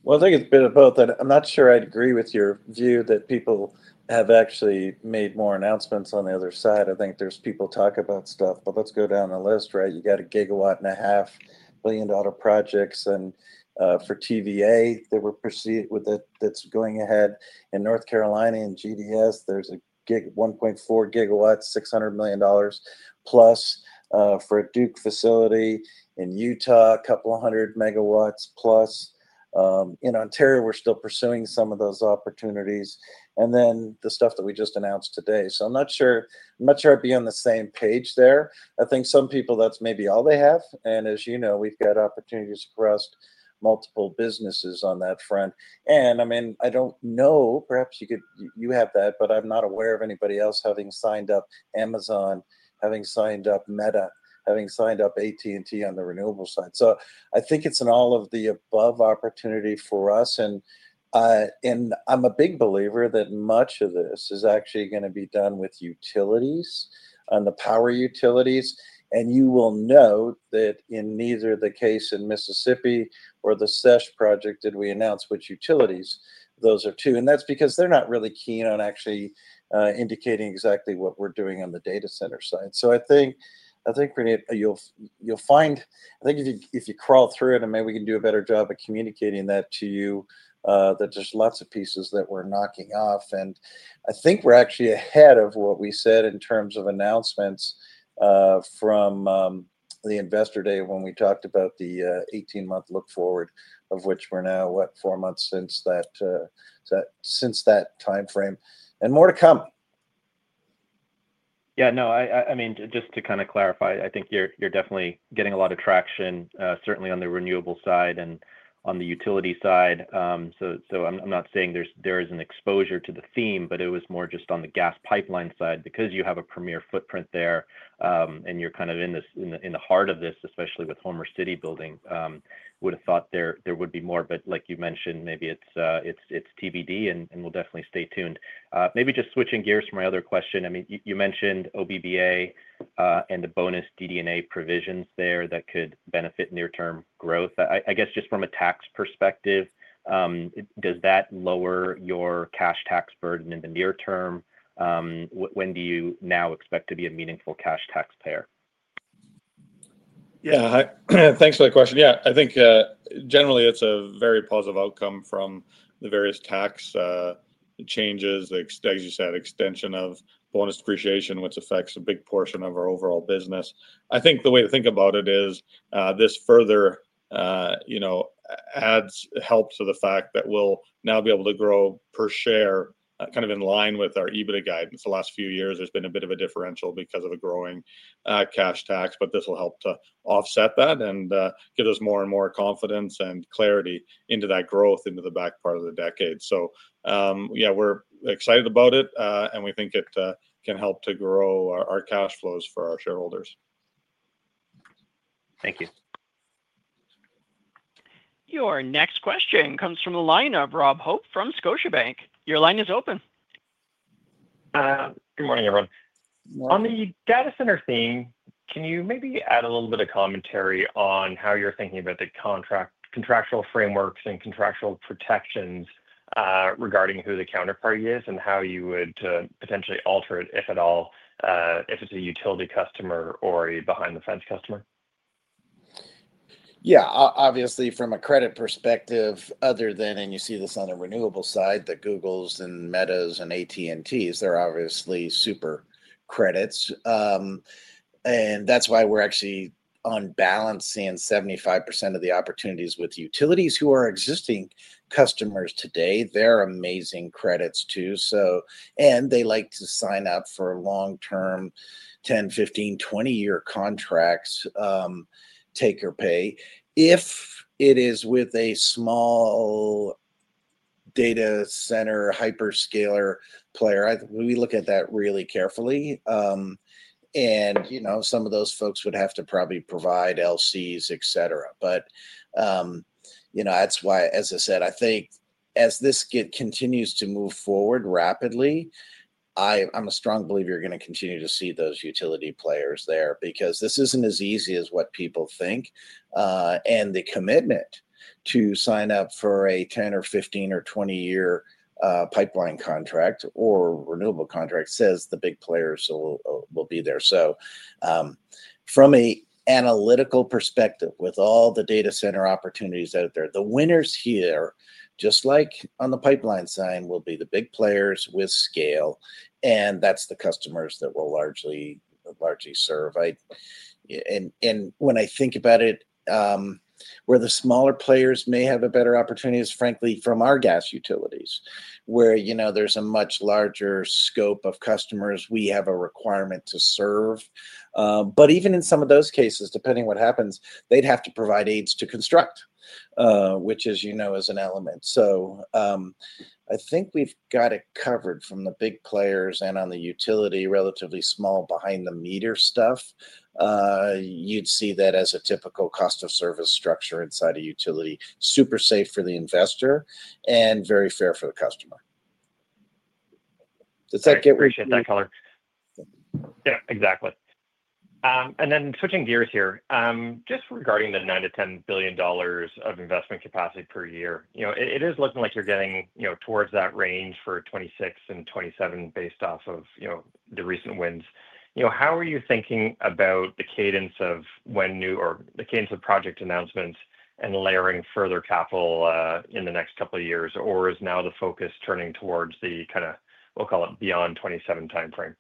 I think it's a bit of both. I'm not sure I'd agree with your view that people have actually made more announcements on the other side. I think people talk about stuff. Let's go down the list. You got a GW and a half billion-dollar projects for TVA that were proceeded with, that's going ahead in North Carolina. In GDS, there's 1.4 GW, $600 million+ for a Duke facility in Utah, a couple 100 MW+. In Ontario we're still pursuing some of those opportunities and then the stuff that we just announced today. I'm not sure I'd be on the same page there. I think some people, that's maybe all they have. As you know, we've got opportunities across multiple businesses on that front. And I mean I don't know, perhaps you have that, but I'm not aware of anybody else having signed up Amazon, having signed up Meta, having signed up AT&T on the renewable side. I think it's an all of the above opportunity for us. I'm a big believer that much of this is actually going to be done with utilities, on the power utilities. And you will note that in neither the case in Mississippi or the SESH project did we announce which utilities. Those are two, and that's because they're not really keen on actually indicating exactly what we're doing on the data center side. So I think if you crawl through it, and maybe we can do a better job of communicating that to you, there's lots of pieces that we're knocking off. I think we're actually ahead of what we said in terms of announcements from the Investor Day when we talked about the 18-month look forward, of which we're now, what, four months since that timeframe, and more to come? Yeah, no, I mean, just to kind of clarify, I think you're definitely getting a lot of traction, certainly on the renewable side and on the utility side. I'm not saying there is an exposure to the theme, but it was more just on the gas pipeline side because you have a premier footprint there and you're kind of in the heart of this, especially with Homer City building. Would have thought there would be more, but like you mentioned, maybe it's TBD and we'll definitely stay tuned. Maybe just switching gears for my other question. I mean, you mentioned OBBA and the bonus DD&A provisions there that could benefit near-term growth. I guess just from a tax perspective, does that lower your cash tax burden in the near term? When do you now expect to be a meaningful cash taxpayer? Yeah, thanks for the question. I think generally it's a very positive outcome from the various tax changes, as you said, extension of bonus depreciation, which affects a big portion of our overall business. I think the way to think about it is this further adds help to the fact that we'll now be able to grow per share kind of in line with our EBITDA guidance. The last few years there's been a bit of a differential because of a growing cash tax, but this will help to offset that and give us more and more confidence and clarity into that growth into the back part of the decade. We're excited about it and we think it can help to grow our cash flows for our shareholders. Thank you. Your next question comes from the line of Rob Hope from Scotiabank. Your line is open. Good morning everyone. On the data center theme, can you maybe add a little bit of commentary on how you're thinking about the contractual frameworks and contractual protections regarding who the counterparty is and how you would potentially alter it, if at all, if it's a utility customer or a behind the fence customer. Yeah, obviously from a credit perspective, other than, and you see this on a renewable side, the Googles and Metas and AT&Ts, they're obviously super credits and that's why we're actually on balance in 75% of the opportunities with utilities who are existing customers today. They're amazing credits too. They like to sign up for long-term, 10, 15, 20-year contracts, take-or-pay. If it is with a small data center hyperscaler player, we look at that really carefully and, you know, some of those folks would have to probably provide LC's, etc. But that's why, as I said, I think as this continues to move forward rapidly, I'm a strong believer you're going to continue to see those utility players there because this isn't as easy as what people think. The commitment to sign up for a 10 or 15 or 20-year pipeline contract or renewable contract says the big players will be there. From an analytical perspective, with all the data center opportunities out there, the winners here, just like on the pipeline side, will be the big players with scale and that's the customers that we'll largely serve. When I think about it, where the smaller players may have a better opportunity is frankly from our gas utilities where, you know, there's a much larger scope of customers we have a requirement to serve. Even in some of those cases, depending what happens, they'd have to provide aids to construct, which, as you know, is an element. I think we've got it covered from the big players and on the utility, relatively small behind-the-meter stuff. You'd see that as a typical cost of service structure inside a utility. Super safe for the investor and very fair for the customer. I appreciate that. Yeah, exactly. Switching gears here, just regarding the $9 billion-$10 billion of investment capacity per year, it is looking like you're getting towards that range for 2026 and 2027 based off of the recent wins. How are you thinking about the cadence of when new or the cadence of project announcements and layering further capital in the next couple of years? Is now the focus turning towards the kind of, call it, beyond 2027 time frame?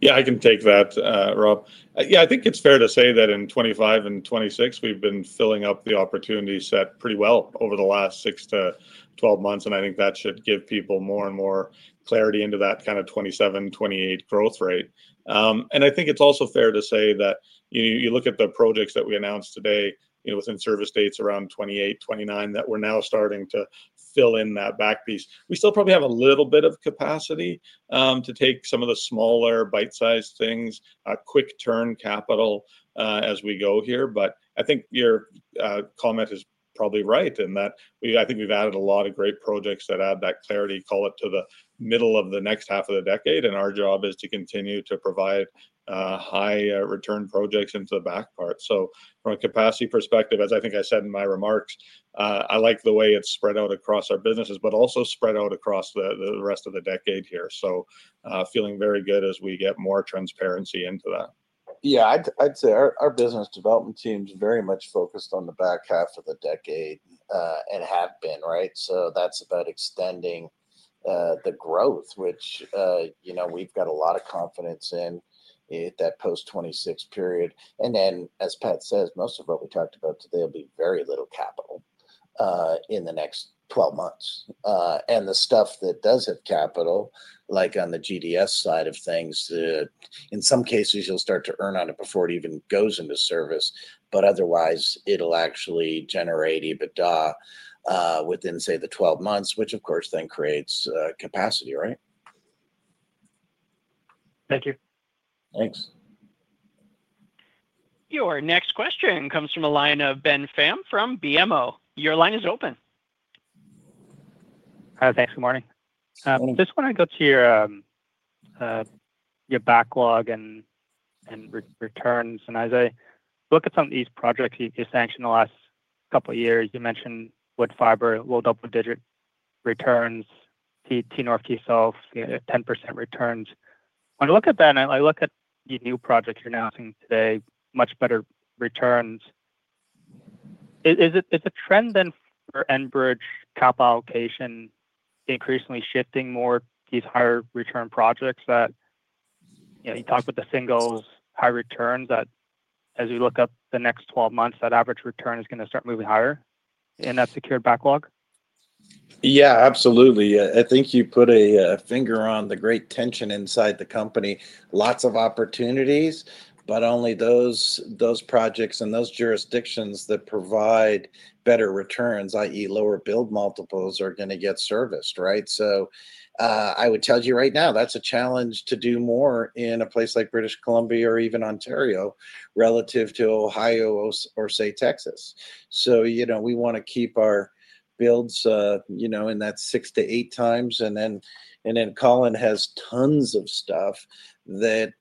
Yeah, I can take that, Rob. I think it's fair to say that in 2025 and 2026 we've been filling up the opportunity set pretty well over the last 6-12 months. I think that should give people more and more clarity into that kind of 2027, 2028 growth rate. I think it's also fair to say that you look at the projects that we announced today with in-service dates around 2028, 2029, that we're now starting to fill in that back piece. We still probably have a little bit of capacity to take some of the smaller bite-sized things, quick-turn capital as we go here. But I think your comment is probably right in that I think we've added a lot of great projects that add that clarity, call it to the middle of the next half of the decade, and our job is to continue to provide high return projects into the back part. From a capacity perspective, as I think I said in my remarks, I like the way it's spread out across our businesses, but also spread out across the rest of the decade here. So feeling very good as we get more transparency into that. Yeah, I'd say our business development team is very much focused on the back half of the decade and have been. Right. That's about extending the growth which, you know, we've got a lot of confidence in that post-2026 period. And as Pat says, most of what we talked about today will be very little capital in the next 12 months. The stuff that does have capital, like on the GDS side of things, in some cases you'll start to earn on it before it even goes into service. Otherwise, it'll actually generate EBITDA within, say, the 12 months, which of course then creates capacity. Right. Thank you. Thanks. Your next question comes from the line of Ben Pham from BMO. Your line is open. Thanks. Good morning. Just want to go to your backlog and returns, and as I look at some of these projects you sanctioned the last couple years, you mentioned Woodfibre, low double-digit returns, T-North, T-South 10% returns. When I look at that and I look at the new project you're announcing today, much better returns, is it a trend then for Enbridge capital allocation increasingly shifting more to these higher return projects that, you know, you talk about the singles, high returns, that as we look up the next 12 months that average return is going to start moving higher in a secured backlog. Yeah, absolutely. I think you put a finger on the great tension inside the company. Lots of opportunities, but only those projects and those jurisdictions that provide better returns, that is, lower build multiples, are going to get serviced. Right. I would tell you right now that's a challenge to do more in a place like British Columbia or even Ontario relative to Ohio or, say, Texas. So you know we want to keep our builds in that 6-8x. Colin has tons of stuff that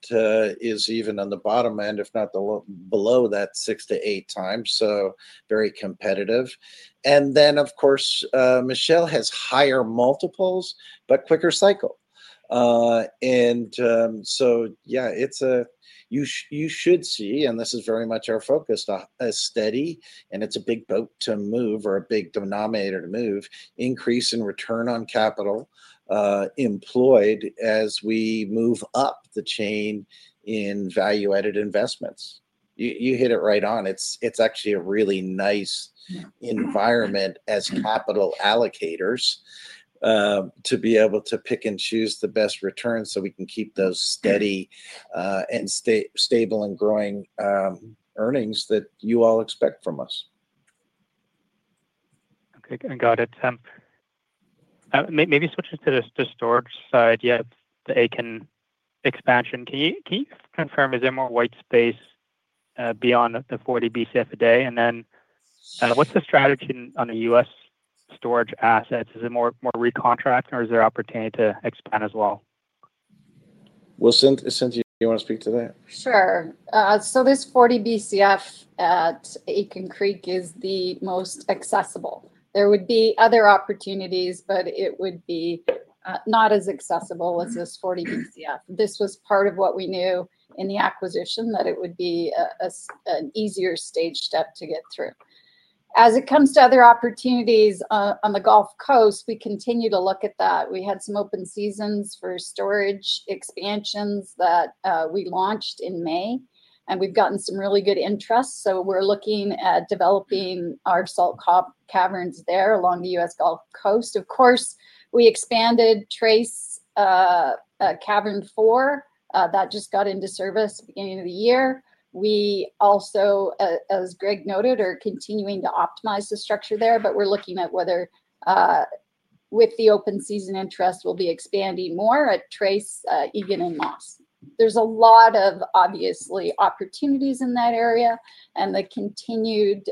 is even on the bottom end, if not below that 6-8x, so very competitive. And then of course, Michele has higher multiples but quicker cycle. And so, yeah, it's a it is a, you should see, and this is very much our focus, a steady, and it's a big boat to move or a big denominator to move, increase in return on capital employed as we move up the chain in value-added investments. You hit it right on. It's actually a really nice environment as capital allocators to be able to pick and choose the best returns so we can keep those safe, steady, and stable and growing earnings that you all expect from us. Okay, got it. Maybe switching to the storage side, the Aitken expansion. Can you confirm, is there more white space beyond the 40 Bcf a day? What's the strategy on the U.S. storage assets? Is it more recontract or is there opportunity to expand as well? Well, Cynthia, you want to speak to that? Sure. This 40 Bcf at Aitken Creek is the most accessible. There would be other opportunities, but it would not be as accessible as this 40 Bcf. This was part of what we knew in the acquisition, that it would be an easier stage step to get through. As it comes to other opportunities on the Gulf Coast, we continue to look at that. We had some open seasons for storage expansions that we launched in May, and we've gotten some really good interest. We're looking at developing our salt caverns there along the U.S. Gulf Coast. Of course, we expanded Tres Cavern 4 that just got into service at the beginning of the year. We also, as Greg noted, are continuing to optimize the structure there. We're looking at whether, with the open season interest, we'll be expanding more at Tres, Eagan, and Moss. There are obviously a lot of opportunities in that area, and the continued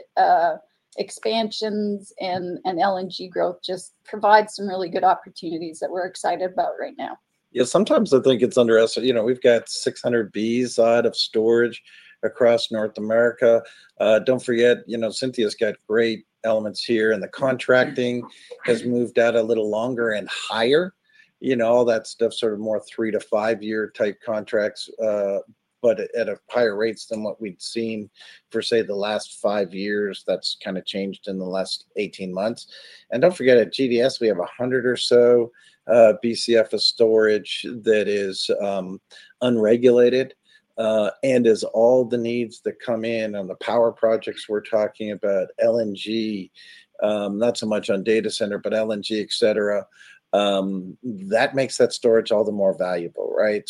expansions and LNG growth just provide some really good opportunities that we're excited about right now. Yeah, sometimes I think it's underestimated. You know, we've got 600 Bcf out of storage across North America. Forget, you know, Cynthia's got great elements here and the contracting has moved out a little longer and higher. You know, all that stuff. Sort of more 3-5 year type contracts, but at higher rates than what we'd seen for, say, the last five years. That's kind of changed in the last 18 months. Don't forget at GDS we have 100 or so Bcf storage that is unregulated. As all the needs that come in on the power projects, we're talking about LNG, not so much on data center, but LNG, etc., that makes that storage all the more valuable. Right.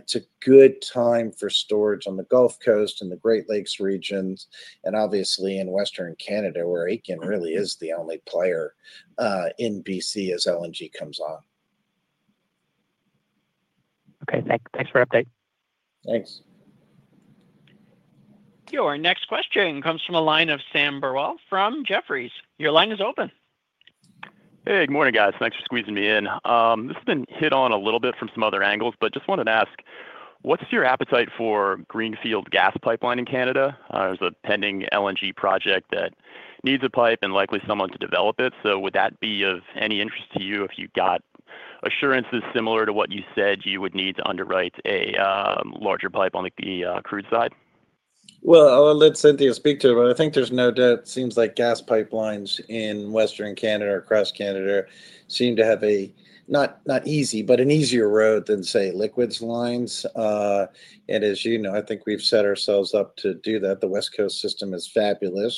It's a good time for storage on the Gulf Coast and the Great Lakes regions and obviously in Western Canada where Aiken Creek really is the only player in B.C. as LNG comes off. Okay, thanks for the update. Thanks. Your next question comes from a line of Sam Burwell from Jefferies. Your line is open. Hey, good morning guys. Thanks for squeezing me in. This has been hit on a little bit from some other angles, but just wanted to ask, what's your appetite for greenfield gas pipeline in Canada? There's a pending LNG project that needs a pipe and likely someone to develop it. Would that be of any interest to you if you got assurances similar to what you said you would need to underwrite a larger pipe on the crude side? Well, I’ll let Cynthia speak to it. I think there’s no doubt it seems like gas pipelines in Western Canada or across Canada seem to have a, not easy, but an easier road than, say, liquids lines. As you know, I think we’ve set ourselves up to do that. The West Coast System is fabulous.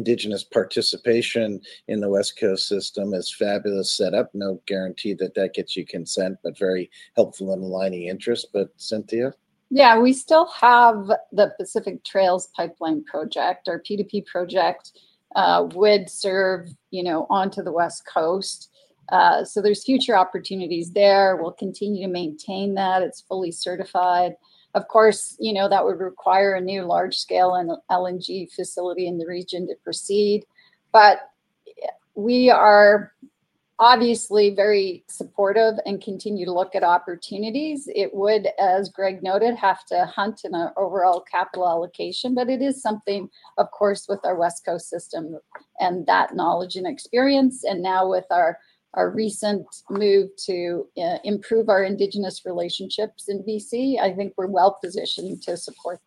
Indigenous participation in the West Coast System is a fabulous setup. No guarantee that that gets you consent, but it’s very helpful in aligning interest. But Cynthia? Yeah, we still have the Pacific Trails pipeline project or PTP project would serve, you know, onto the West Coast, so there's future opportunities there. We'll continue to maintain that it's fully certified. Of course, you know, that would require a new large-scale LNG facility in the region to proceed. But we are obviously very supportive and continue to look at opportunities. It would, as Greg noted, have to hunt in our overall capital allocation. But it is something, of course with our West Coast System and that knowledge and experience and now with our recent move to improve our indigenous relationships in B.C., I think we're well positioned to support.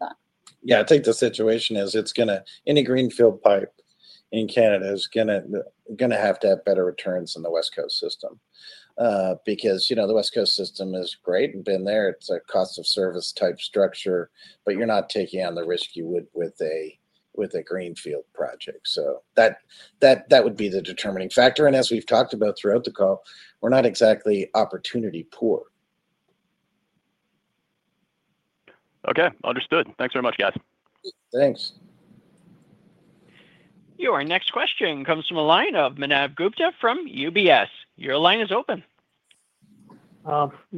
Yeah, I think the situation is it's going to, any greenfield pipe in Canada is going to have to have better returns than the West Coast System because, you know, the West Coast System is great and been there. It's a cost of service type structure, but you're not taking on the risk you would with a greenfield project. So that would be the determining factor. As we've talked about throughout the call, we're not exactly opportunity poor. Okay, understood. Thanks very much guys. Thanks. Your next question comes from a line of Manav Gupta from UBS. Your line is open.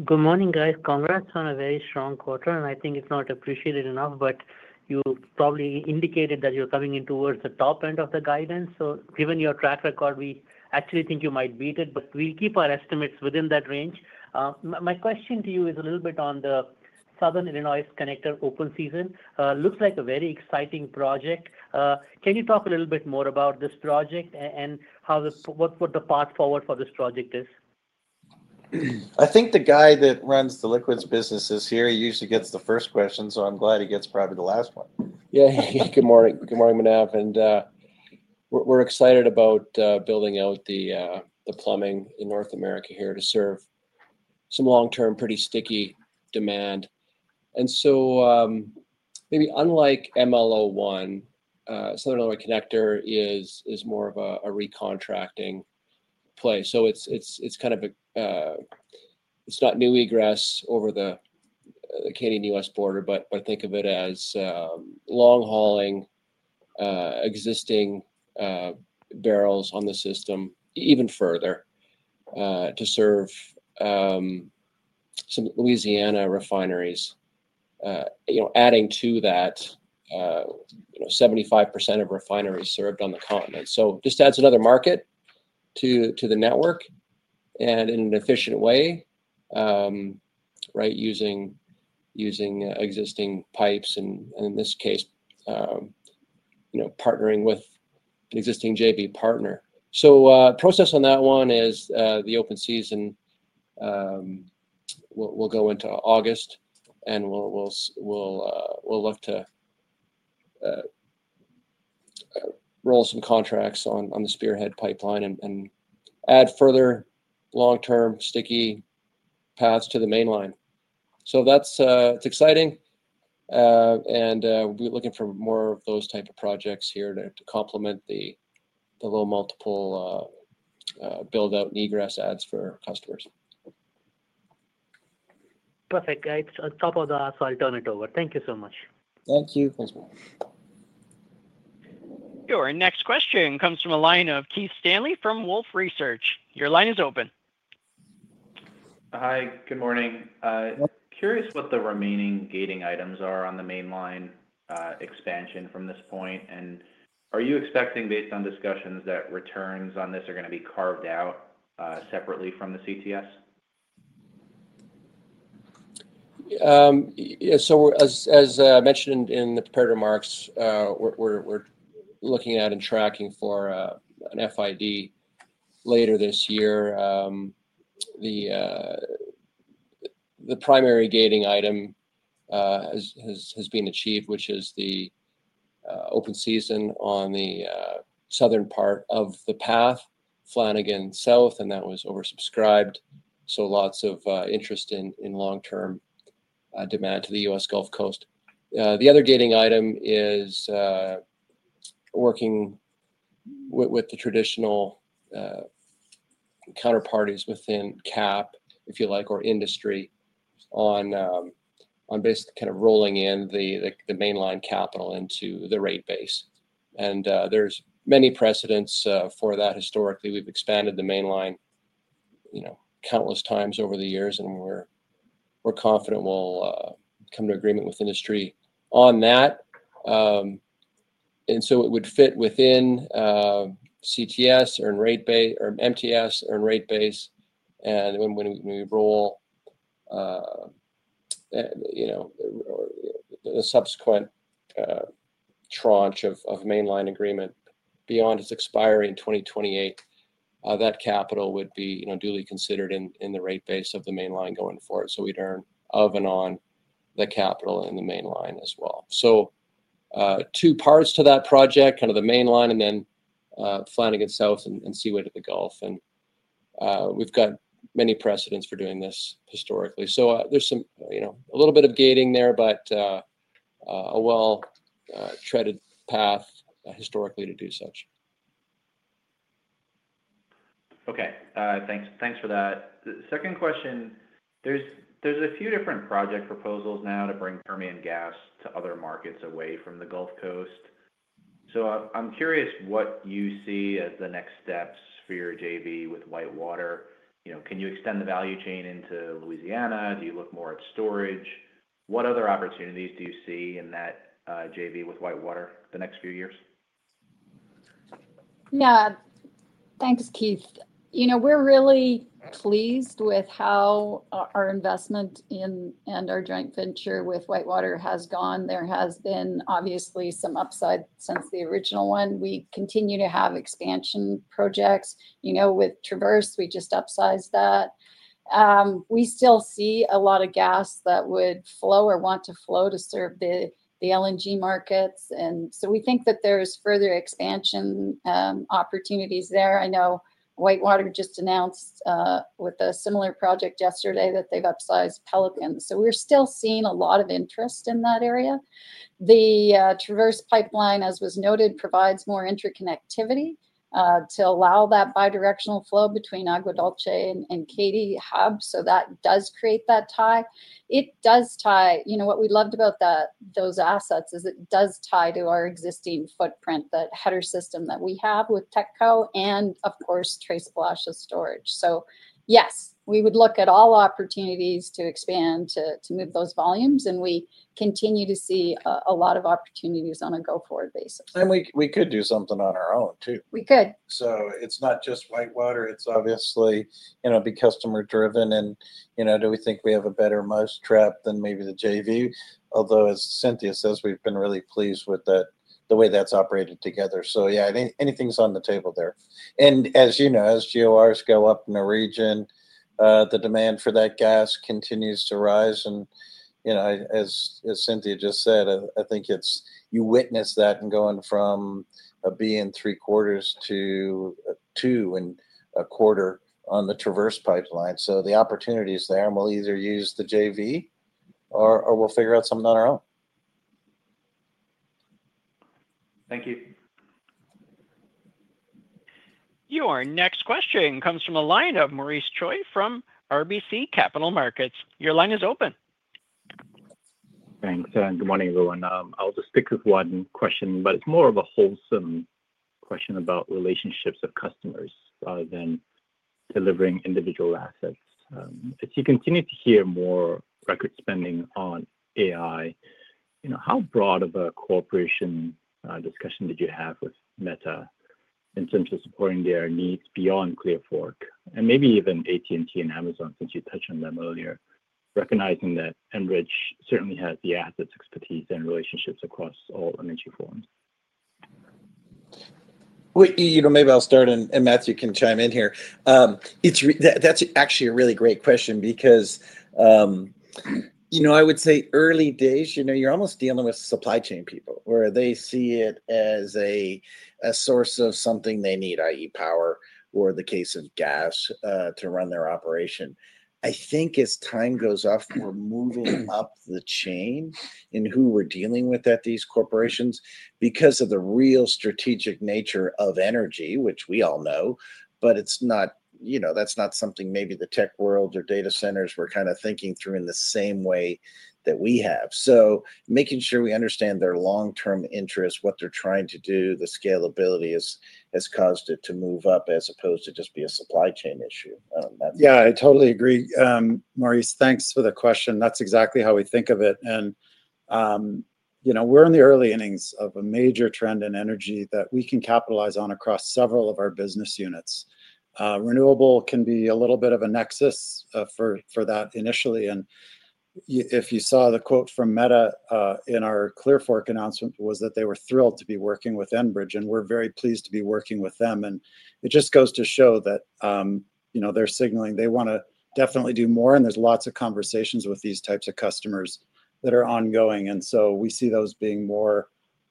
Good morning guys. Congrats on a very strong quarter. I think it's not appreciated enough, but you probably indicated that you're coming in towards the top end of the guidance. Given your track record, we actually think you might beat it. We keep our estimates within that range. My question to you is a little bit on the Southern Illinois Connector open season looks like a very exciting project. Can you talk a little bit more about this project and what the path forward for this project is? I think the guy that runs the Liquids business here. He usually gets the first question. so, I'm glad he gets probably the last one. Yeah, good morning, Manav. We're excited about building out the plumbing in North America here to serve some long-term pretty sticky demand. And so maybe unlike MLO1, Southern Illinois Connector is more of a recontracting place. It's not new egress over the Canadian-U.S. border, but think of it as long hauling existing barrels on the system even further to serve some Louisiana refineries, adding to that 75% of refineries served on the continent. It just adds another market to the network in an efficient way, using existing pipes and, in this case, partnering with an existing JV partner. The process on that one is the open season will go into August and we'll look to roll some contracts on the Spearhead pipeline and add further long-term sticky paths to the Mainline. That's exciting and we're looking for more of those type of projects here to complement the low multiple build-out egress adds for customers. Perfect. It's on top of the. I'll turn it over. Thank you so much. Thank you. Your next question comes from a line of Keith Stanley from Wolfe Research. Your line is open. Hi, good morning. Curious what the remaining gating items are on the Mainline expansion from this point. Are you expecting based on discussions that returns on this are going to be carved out separately from the CTS? As mentioned in the prepared remarks, we're looking at and tracking for an FID later this year. The primary gating item has been achieved, which is the open season on the southern part of the path, Flanagan South, and that was oversubscribed. There is lots of interest in long-term demand to the U.S. Gulf Coast. The other gating item is working with the traditional counterparties within CAPP, if you like, or industry, on basically kind of rolling in the Mainline capital into the rate base. And there is many precedents for that historically we've expanded the Mainline countless times over the years, and we're confident we'll come to agreement with industry. On that it would fit within CTS rate base or MTS rate base. When we roll the subsequent tranche of Mainline agreement beyond its expiry in 2028, that capital would be duly considered in the rate base of the Mainline going forward. We'd earn of and on the capital in the Mainline as well. So, two parts to that project: the Mainline and then Flanagan South and Seaway to the Gulf. We've got many precedents for doing this historically. So there is a little bit of gating there, but a well-treaded path historically to do such. Okay, thanks. Thanks for that. Second question. There's a few different project proposals now to bring Permian gas to other markets away from the Gulf Coast. So I'm curious what you see as the next steps for your JV with WhiteWater. Can you extend the value chain into Louisiana? Do you look more at storage? What other opportunities do you see in that JV with WhiteWater the next few years? Yeah, thanks Keith. We're really pleased with how our investment in and our joint venture with WhiteWater has gone. There has been obviously some upside since the original one. We continue to have expansion projects. With Traverse, we just upsized that. We still see a lot of gas that would flow or want to flow to serve the LNG markets. We think that there's further expansion opportunities there. I know WhiteWater just announced with a similar project yesterday that they've upsized Pelicans. We're still seeing a lot of interest in that area. The Traverse Pipeline, as was noted, provides more interconnectivity to allow that bi-directional flow between Agua Dulce and Katy Hub. That does create that tie. It does tie what we loved about those assets is it does tie to our existing footprint, that header system that we have with TETCO and of course Tres Palacios storage. Yes, we would look at all opportunities to expand to move those volumes and we continue to see a lot of opportunities on a go forward basis. We could do something on our own too. We could. It is not just WhiteWater, it is obviously, you know, be customer driven and you know, do we think we have a better mousetrap than maybe the JV. Although as Cynthia says, we have been really pleased with that, the way that has operated together. Yeah, anything is on the table there. As you know, as GORs go up in the region, the demand for that gas continues to rise. As Cynthia just said, I think you witness that and going from being three-quarters to two and a quarter on the Traverse Pipeline. The opportunity is there and we will either use the JV or we will figure out something on our own. Thank you. Your next question comes from the line of Maurice Choy from RBC Capital Markets. Your line is open. Thanks. Good morning, everyone. I'll just stick with one question, but it's more of a wholesome question about relationships of customers rather than delivering individual assets. As you continue to hear more record spending on AI, and how broad of a corporation discussion did you have with Meta in terms of supporting their needs beyond Clear Fork and maybe even AT&T and Amazon since you touched on them earlier, recognizing that Enbridge certainly has the assets, expertise, and relationships across all energy forms. Maybe I'll start and Matthew can chime in here. That's actually a really great question because, you know, I would say early days, you're almost dealing with supply chain people where they see it as a source of something they need, that is power or, in the case of gas, to run their operation. I think as time goes on, we're moving up the chain in who we're dealing with at these corporations because of the real strategic nature of energy, which we all know. That's not something maybe the tech world or data centers were kind of thinking through in the same way that we have. Sp making sure we understand their long-term interests, what they're trying to do, the scalability has caused it to move up as opposed to just be a supply chain issue. Yeah, I totally agree, Maurice. Thanks for the question. That's exactly how we think of it. We're in the early innings of a major trend in energy that we can capitalize on across several of our business units. Renewable can be a little bit of a nexus for that initially. If you saw the quote from Meta in our Clear Fork announcement, it was that they were thrilled to be working with Enbridge and we're very pleased to be working with them. It just goes to show that they're signaling they want to definitely do more. There are lots of conversations with these types of customers that are ongoing and we see those being more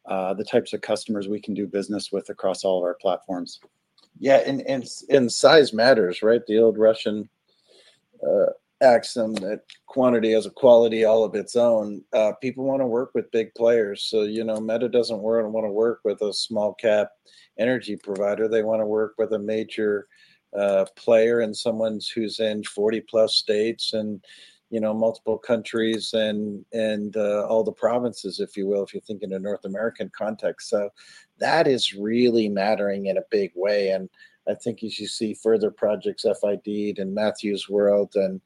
the types of customers we can do business with across all of our platforms. Yeah and size matters, right. The old Russian axiom that quantity has a quality all of its own. People want to work with big players. Meta doesn't want to work with a small cap energy provider. They want to work with a major player and someone who's in 40+ states and multiple countries and all the provinces, if you will, if you think in a North American context. That is really mattering in a big way. I think as you see further projects FID-ed in Matthew's world and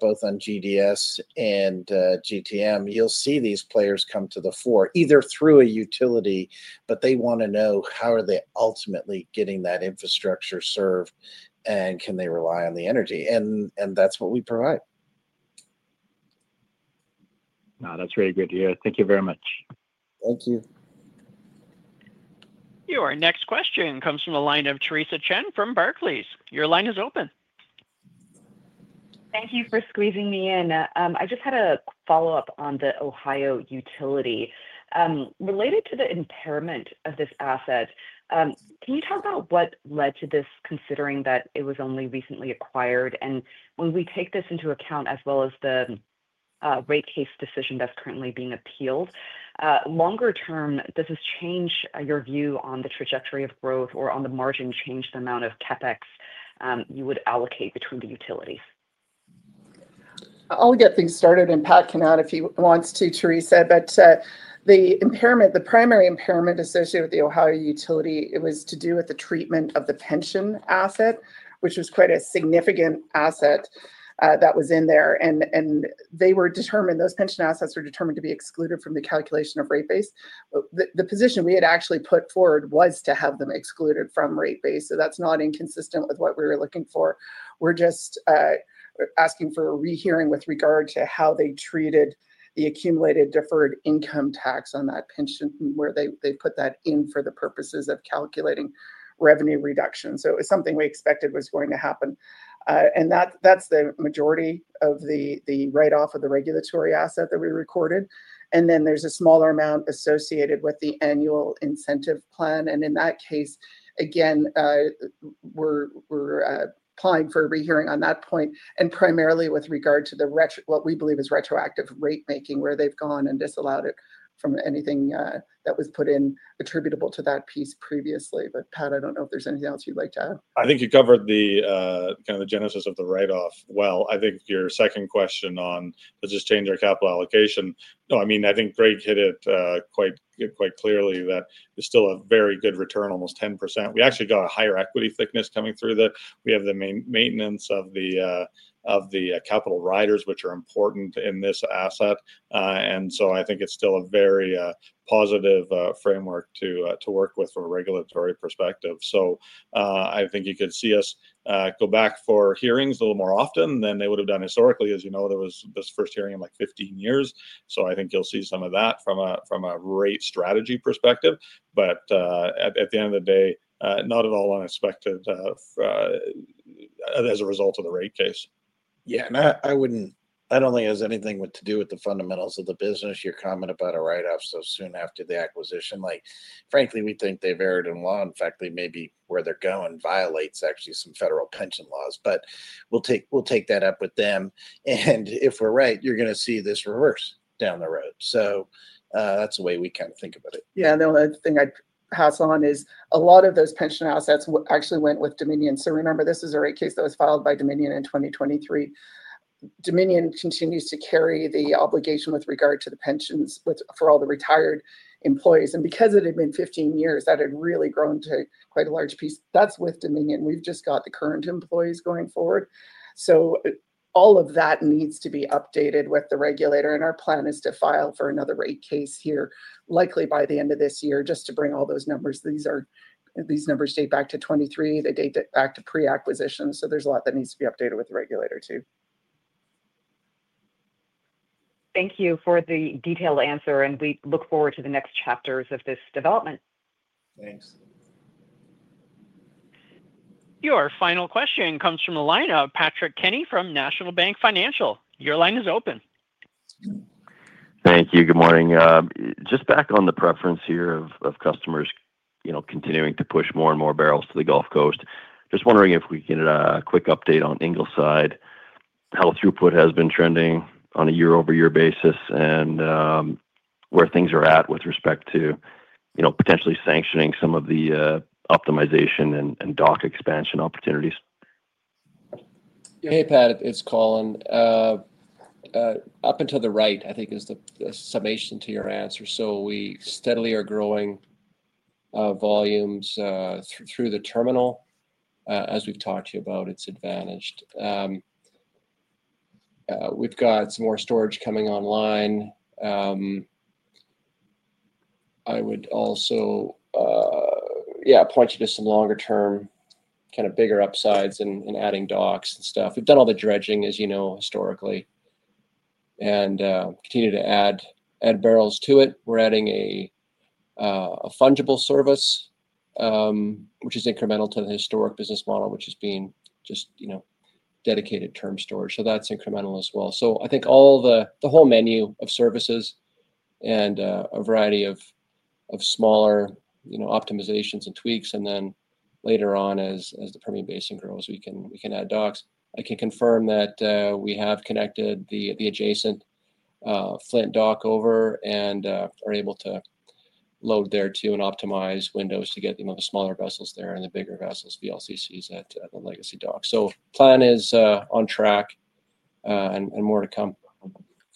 both on GDS and GTM, you'll see these players come to the fore either through a utility, but they want to know how are they ultimately getting that infrastructure served and can they rely on the energy. That's what we provide. That's very good. Thank you very much. Thank you. Your next question comes from the line of Theresa Chen from Barclays. Your line is open. Thank you for squeezing me in. I just had a follow-up on the Ohio utility related to the impairment of this asset. Can you talk about what led to this, considering that it was only recently acquired, and when we take this into account, as well as the rate case decision that's currently being appealed longer term, does this change your view on the trajectory of growth or on the margin change the amount of CapEx you would allocate between the utilities? I'll get things started, and Pat can add if he wants to. Theresa, the impairment, the primary impairment associated with the Ohio utility, was to do with the treatment of the pension asset, which was quite a significant asset that was in there. And they were determined, those pension assets were determined to be excluded from the calculation of rate base. The position we had actually put forward was to have them excluded from rate base, so that's not inconsistent with what we were looking for. We're just asking for a rehearing with regard to how they treated the accumulated deferred income tax on that payment, where they put that in for the purposes of calculating revenue reduction. It was something we expected was going to happen. That's the majority of the write-off of the regulatory asset that we recorded. And then there's a smaller amount associated with the annual incentive plan. In that case, again, we're applying for a rehearing on that point, primarily with regard to what we believe is retroactive rate making, where they've gone and disallowed it from anything that was put in attributable to that piece previously. Pat, I don't know if there's anything else you'd like to add. I think you covered the kind of the genesis of the write-off. I think your second question on does this change our capital allocation? No, I mean, I think Greg hit it quite clearly that there's still a very good return, almost 10%. We actually got a higher equity thickness coming through, that we have the maintenance of the capital rise riders, which are important in this asset. I think it's still a very positive framework to work with from a regulatory perspective. So, I think you could see us go back for hearings a little more often than they would have done historically. As you know, there was this first hearing in like 15 years. I think you'll see some of that from a rate strategy perspective. But at the end of the day, not at all unexpected as a result of the rate case. Yeah, no, I wouldn't think it has anything to do with the fundamentals of the business. Your comment about a write-off so soon after the acquisition, frankly, we think they've erred in law. In fact, they may be where they're going violates actually some federal pension laws. We'll take that up with them, and if we're right, you're going to see this reverse down the road. That's the way we kind of think about it. Yeah. The only thing I hasten is a lot of those pension assets actually went with Dominion. Remember this is a rate case that was filed by Dominion in 2023. Dominion continues to carry the obligation with regard to the pensions for all the retired employees. Because it had been 15 years, that had really grown to quite a large piece. That's with Dominion. We've just got the current employees going forward. So all of that needs to be updated with the regulator. Our plan is to file for another rate case here, likely by the end of this year, just to bring all those numbers. These numbers date back to 2023. They date back to pre-acquisition. There's a lot that needs to. Be updated with the regulator too. Thank you for the detailed answer, and we look forward to the next chapters of this development. Thanks. Your final question comes from the line of Patrick Kenny from National Bank Financial. Your line is open. Thank you. Good morning. Just back on the preference here of customers, you know, continuing to push more and more barrels to the Gulf Coast. Just wondering if we can get a quick update on Ingleside, how throughput has been trending on a year-over-year basis, and where things are at with respect to, you know, potentially sanctioning some of the optimization and dock expansion opportunities. Hey Pat, it's Colin. Up and to the right I think is the summation to your answer. We steadily are growing volumes through the terminal as we've talked to you about. It's advantaged. We've got some more storage coming online. I would also point you to some longer-term kind of bigger upsides and adding docks and stuff. We've done all the dredging, as you know, historically and continue to add barrels to it. We're adding a fungible service, which is incremental to the historic business model, which has been just, you know, dedicated term storage. That's incremental as well. I think the whole menu of services and a variety of smaller optimizations and tweaks, and then later on as the Permian Basin grows, we can add docks. I can confirm that we have connected the adjacent Flint dock over and are able to load there too and optimize windows to get the smaller vessels there and the bigger vessels, VLCC is at the Legacy dock. So plan is on track and more to come.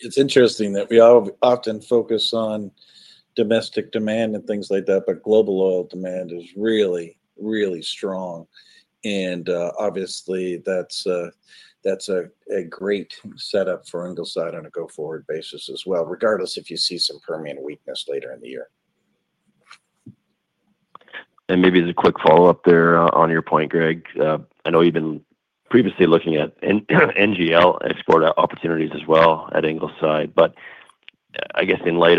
It's interesting that we often focus on domestic demand and things like that, but global oil demand is really, really strong, and obviously that's a great setup for Ingleside on a go-forward basis as well, regardless if you see some Permian weakness later in the year. Maybe as a quick follow-up there on your point, Greg, I know you've been previously looking at NGL export opportunities as well at Ingleside. I guess in light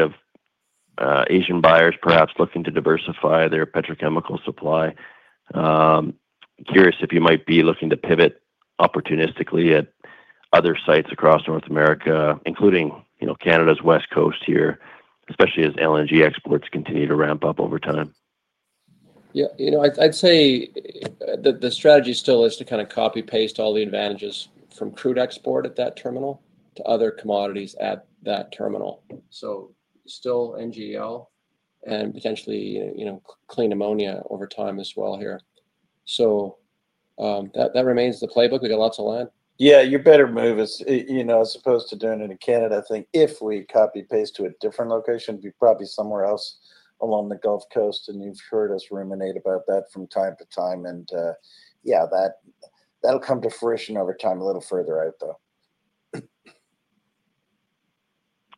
of Asian buyers perhaps looking to diversify their petrochemical supply, I'm curious if you might be looking to pivot opportunistically at other sites across North America, including Canada's West Coast here, especially as LNG exports continue to ramp up over time. Yeah, you know, I'd say that the strategy still is to kind of copy paste all the advantages from crude export at that terminal to other commodities at that terminal. Still NGL and potentially, you know, clean ammonia over time as well here. That remains the playbook. We got lots of land. Yeah, you better move, you know, as opposed to doing it in Canada. If we copy past pays to a different location, be probably somewhere else along the Gulf Coast. You've heard us ruminate about that from time to time, and yeah, that'll come to fruition over time. A little further out though.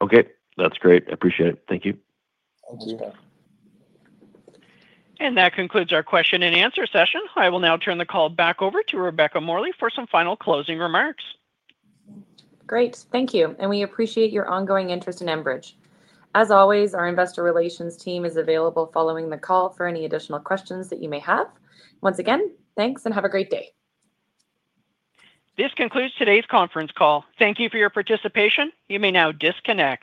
Okay, that's great. I appreciate it. Thank you. That concludes our question-and-answer session. I will now turn the call back over to Rebecca Morley for some final closing remarks. Great. Thank you. We appreciate your ongoing interest in Enbridge. As always, our investor relations team is available following the call for any additional questions that you may have. Once again, thanks and have a great day. This concludes today's conference call. Thank you for your participation. You may now disconnect.